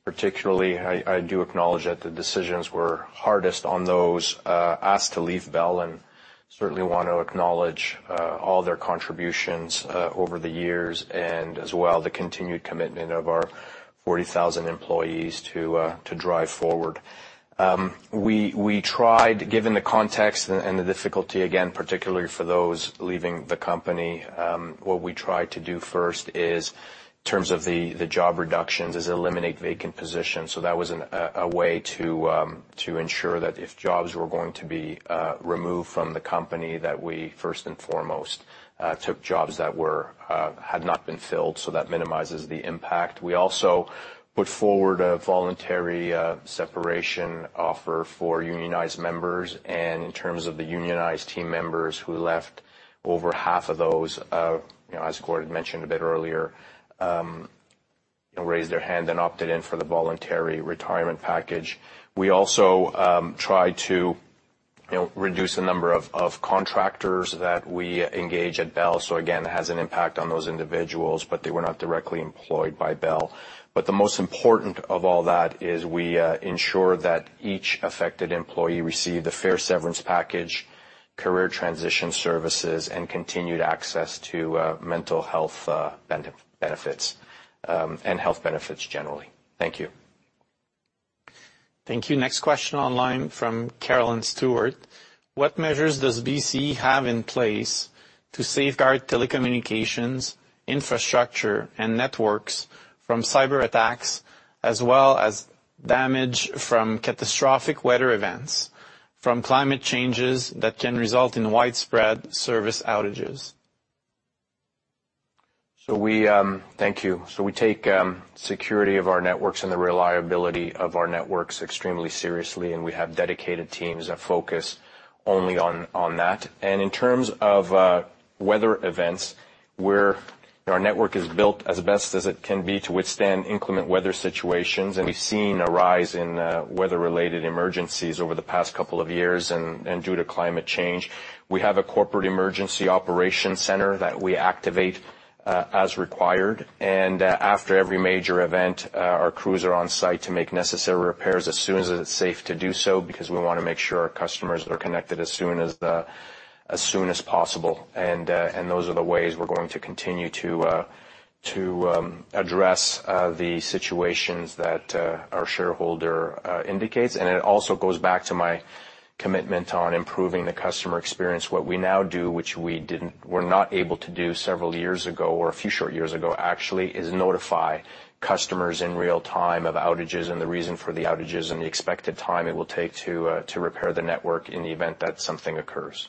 Particularly, I do acknowledge that the decisions were hardest on those asked to leave Belle. Certainly, I want to acknowledge all their contributions over the years and as well the continued commitment of our 40,000 employees to drive forward. We tried, given the context and the difficulty, particularly for those leaving the company, what we tried to do first is, in terms of the job reductions, is eliminate vacant positions. That was a way to ensure that if jobs were going to be removed from the company, that we, first and foremost, took jobs that had not been filled. That minimizes the impact. We also put forward a voluntary separation offer for unionized members. In terms of the unionized team members who left, over half of those, as Gord had mentioned a bit earlier, raised their hand and opted in for the voluntary retirement package. We also tried to reduce the number of contractors that we engage at Bell. Again, it has an impact on those individuals, but they were not directly employed by Bell. But the most important of all that is we ensure that each affected employee received a fair severance package, career transition services, and continued access to mental health benefits and health benefits, generally. Thank you. Thank you. Next question online from Carolyn Stewart: What measures does BCE have in place to safeguard telecommunications infrastructure and networks from cyberattacks as well as damage from catastrophic weather events from climate changes that can result in widespread service outages? Thank you. We take security of our networks and the reliability of our networks extremely seriously. We have dedicated teams that focus only on that. In terms of weather events, our network is built as best as it can be to withstand inclement weather situations. We've seen a rise in weather-related emergencies over the past couple of years due to climate change. We have a corporate emergency operations center that we activate as required. After every major event, our crews are on site to make necessary repairs as soon as it's safe to do so because we want to make sure our customers are connected as soon as possible. Those are the ways we're going to continue to address the situations that our shareholder indicates. It also goes back to my commitment on improving the customer experience. What we now do, which we were not able to do several years ago or a few short years ago, actually, is notify customers in real time of outages and the reason for the outages and the expected time it will take to repair the network in the event that something occurs.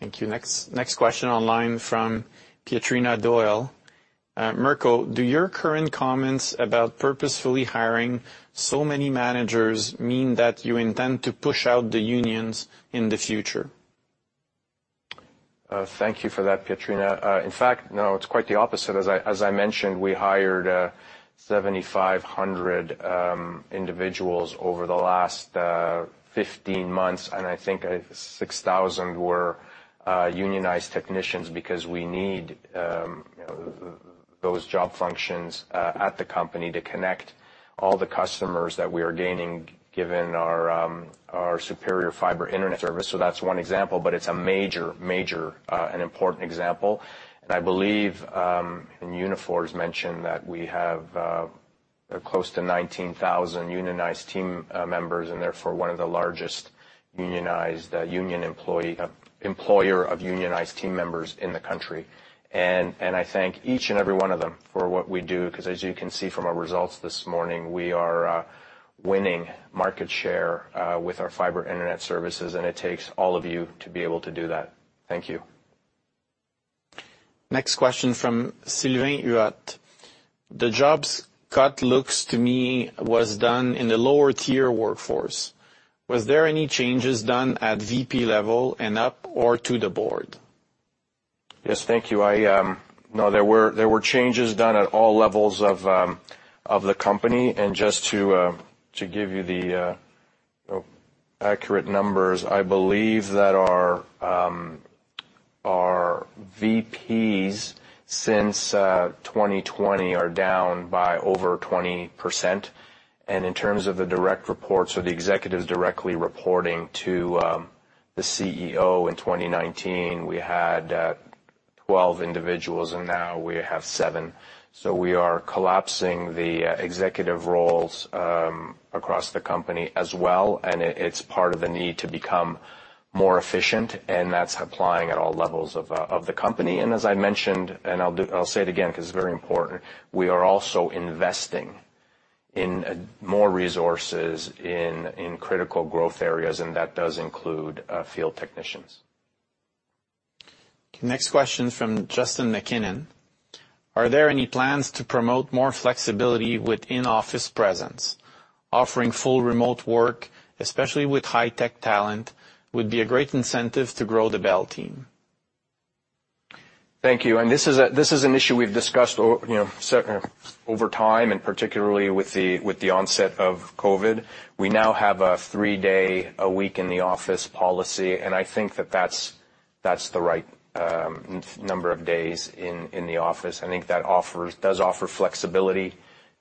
Thank you. Next question online from Pietrina Doyle: Mirko, do your current comments about purposefully hiring so many managers mean that you intend to push out the unions in the future? Thank you for that, Pietrina. In fact, no, it's quite the opposite. As I mentioned, we hired 7,500 individuals over the last 15 months. I think 6,000 were unionized technicians because we need those job functions at the company to connect all the customers that we are gaining given our superior fiber internet service. So that's one example. But it's a major, major and important example. I believe in Unifor's mention that we have close to 19,000 unionized team members and, therefore, one of the largest unionized employer of unionized team members in the country. I thank each and every one of them for what we do because, as you can see from our results this morning, we are winning market share with our fiber internet services. It takes all of you to be able to do that. Thank you. Next question from Sylvain Huat: The jobs cut looks to me was done in the lower-tier workforce. Was there any changes done at VP level and up or to the board? Yes. Thank you. No, there were changes done at all levels of the company. Just to give you the accurate numbers, I believe that our VPs since 2020 are down by over 20%. In terms of the direct reports, so the executives directly reporting to the CEO in 2019, we had 12 individuals. Now we have 7. So we are collapsing the executive roles across the company as well. It's part of the need to become more efficient. That's applying at all levels of the company. As I mentioned, I'll say it again because it's very important, we are also investing in more resources in critical growth areas. That does include field technicians. Okay. Next question from Justin McKinnon: Are there any plans to promote more flexibility with in-office presence? Offering full remote work, especially with high-tech talent, would be a great incentive to grow the Bell team. Thank you. This is an issue we've discussed over time, and particularly with the onset of COVID. We now have a three-day-a-week-in-the-office policy. I think that that's the right number of days in the office. I think that does offer flexibility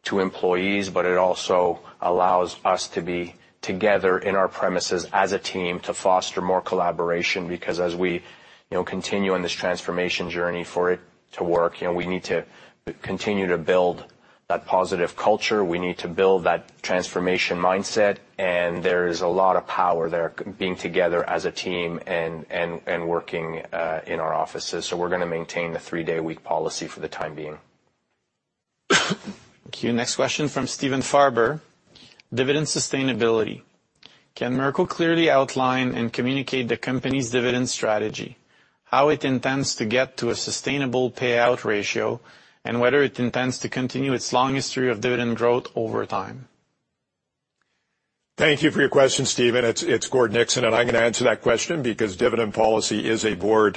to employees. But it also allows us to be together in our premises as a team to foster more collaboration. Because as we continue on this transformation journey for it to work, we need to continue to build that positive culture. We need to build that transformation mindset. There is a lot of power there being together as a team and working in our offices. So we're going to maintain the three-day-a-week policy for the time being. Thank you. Next question from Stephen Farber: Dividend sustainability. Can Mirko clearly outline and communicate the company's dividend strategy, how it intends to get to a sustainable payout ratio, and whether it intends to continue its long history of dividend growth over time? Thank you for your question, Stephen. It's Gord Nixon. I'm going to answer that question because dividend policy is a board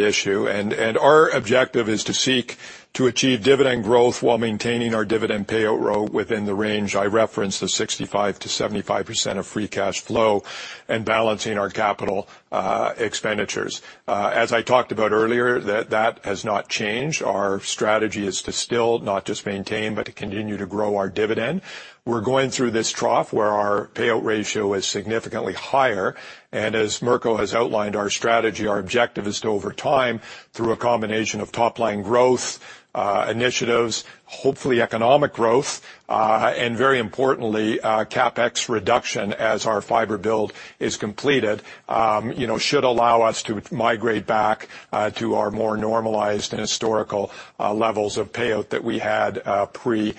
issue. Our objective is to seek to achieve dividend growth while maintaining our dividend payout rate within the range I referenced, the 65% to 75% of free cash flow, and balancing our capital expenditures. As I talked about earlier, that has not changed. Our strategy is to still not just maintain but to continue to grow our dividend. We're going through this trough where our payout ratio is significantly higher. As Mirko has outlined, our strategy, our objective is to, over time, through a combination of top-line growth initiatives, hopefully economic growth, and very importantly, CapEx reduction as our fiber build is completed, should allow us to migrate back to our more normalized and historical levels of payout that we had pre-COVID.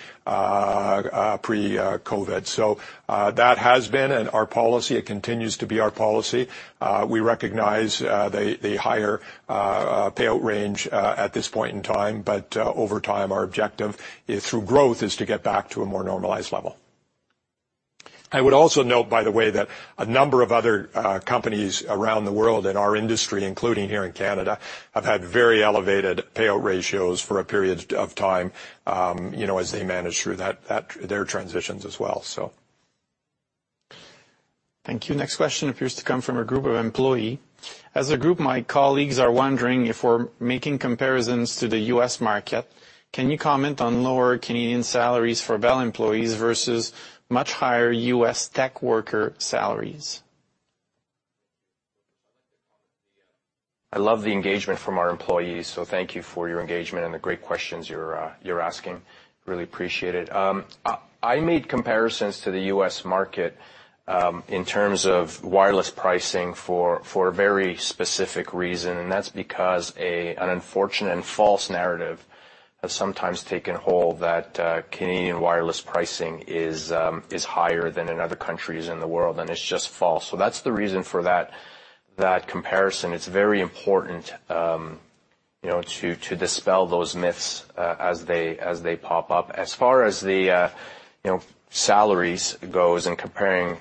That has been our policy. It continues to be our policy. We recognize the higher payout range at this point in time. But over time, our objective through growth is to get back to a more normalized level. I would also note, by the way, that a number of other companies around the world in our industry, including here in Canada, have had very elevated payout ratios for a period of time as they manage through their transitions as well. Thank you. Next question appears to come from a group of employees. As a group, my colleagues are wondering if we're making comparisons to the U.S. market. Can you comment on lower Canadian salaries for Bell employees versus much higher U.S. tech worker salaries? I love the engagement from our employees. Thank you for your engagement and the great questions you're asking. Really appreciate it. I made comparisons to the U.S. market in terms of wireless pricing for a very specific reason. That's because an unfortunate and false narrative has sometimes taken hold that Canadian wireless pricing is higher than in other countries in the world. It's just false. That's the reason for that comparison. It's very important to dispel those myths as they pop up. As far as the salaries go and comparing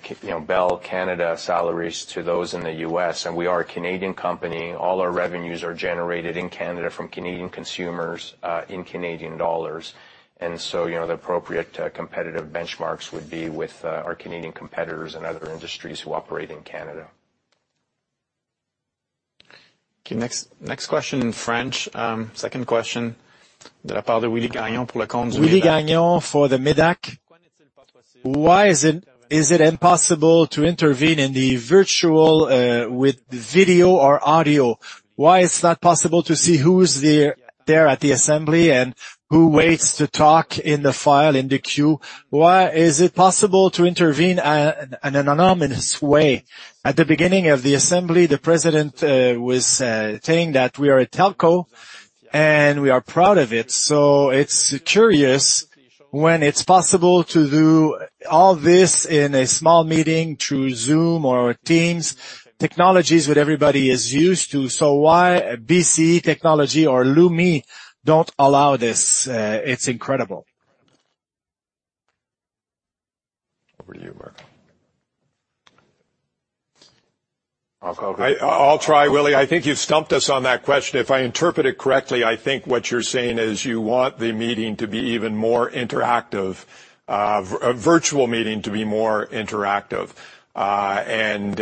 Bell Canada salaries to those in the U.S. and we are a Canadian company. All our revenues are generated in Canada from Canadian consumers in Canadian dollars. The appropriate competitive benchmarks would be with our Canadian competitors and other industries who operate in Canada. Okay. Next question in French. Second question: De la part de Willy Gagnon pour le compte du Bureau. Willy Gagnon for the MEDAC. Why is it impossible to intervene in the virtual with video or audio? Why is it not possible to see who's there at the assembly and who waits to talk in the file, in the queue? Why is it possible to intervene in an anonymous way? At the beginning of the assembly, the President was saying that we are a telco and we are proud of it. It's curious when it's possible to do all this in a small meeting through Zoom or Teams, technologies that everybody is used to. Why BCE Technology or Lumi don't allow this? It's incredible. Over to you, Mirko. I'll try, Willy. I think you've stumped us on that question. If I interpret it correctly, I think what you're saying is you want the meeting to be even more interactive, a virtual meeting to be more interactive, and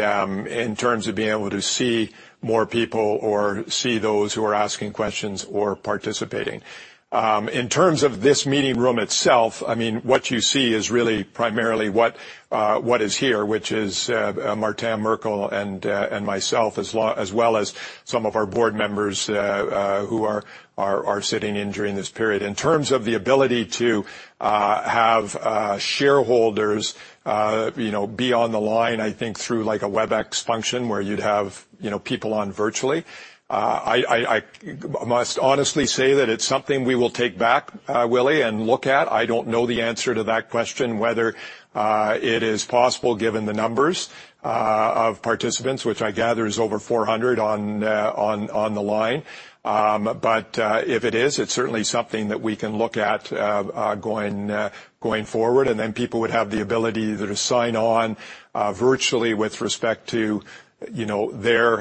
in terms of being able to see more people or see those who are asking questions or participating. In terms of this meeting room itself, I mean, what you see is really primarily what is here, which is Martin Merkel and myself, as well as some of our board members who are sitting in during this period. In terms of the ability to have shareholders be on the line, I think, through a WebEx function where you'd have people on virtually, I must honestly say that it's something we will take back, Willy, and look at. I don't know the answer to that question, whether it is possible given the numbers of participants, which I gather is over 400 on the line. But if it is, it's certainly something that we can look at going forward. People would have the ability to sign on virtually with respect to their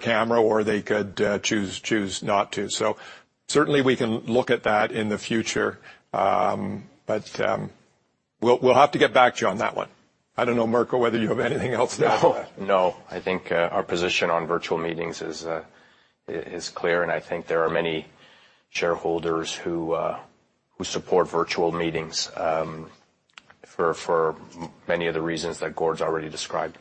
camera. Or they could choose not to. So certainly, we can look at that in the future. But we'll have to get back to you on that one. I don't know, Mirko, whether you have anything else to add. No. I think our position on virtual meetings is clear. I think there are many shareholders who support virtual meetings for many of the reasons that Gord's already described.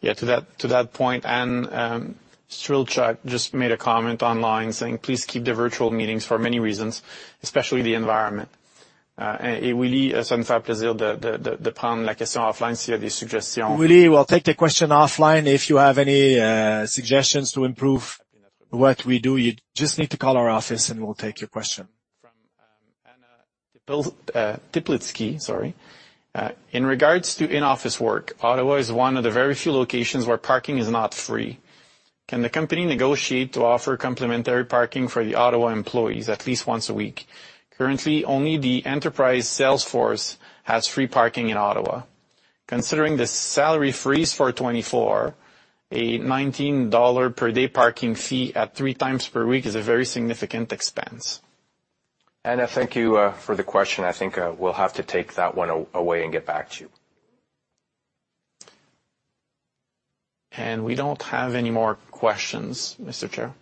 Yeah. To that point, Anne Strelchak just made a comment online saying, "Please keep the virtual meetings for many reasons, especially the environment." Willy, it would be our pleasure to take the question offline if there are suggestions. Willy, we'll take the question offline. If you have any suggestions to improve what we do, you just need to call our office. We'll take your question. From Anna Teplitzky, sorry: In regards to in-office work, Ottawa is one of the very few locations where parking is not free. Can the company negotiate to offer complementary parking for the Ottawa employees at least once a week? Currently, only the Enterprise Salesforce has free parking in Ottawa. Considering the salary freeze for 2024, a $19 per day parking fee at three times per week is a very significant expense. Anna, thank you for the question. I think we'll have to take that one away and get back to you. We don't have any more questions, Mr. Chair.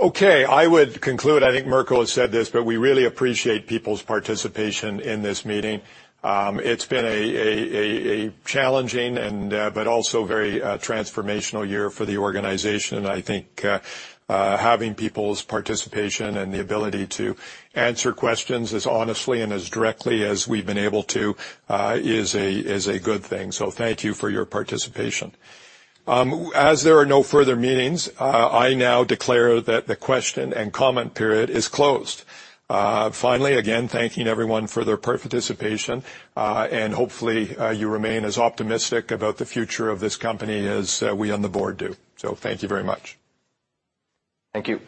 Okay. I would conclude. I think Mirko has said this. But we really appreciate people's participation in this meeting. It's been a challenging but also very transformational year for the organization. I think having people's participation and the ability to answer questions as honestly and as directly as we've been able to is a good thing. So thank you for your participation. As there are no further meetings, I now declare that the question and comment period is closed. Finally, again, thanking everyone for their participation. Hopefully, you remain as optimistic about the future of this company as we on the board do. So thank you very much. Thank you.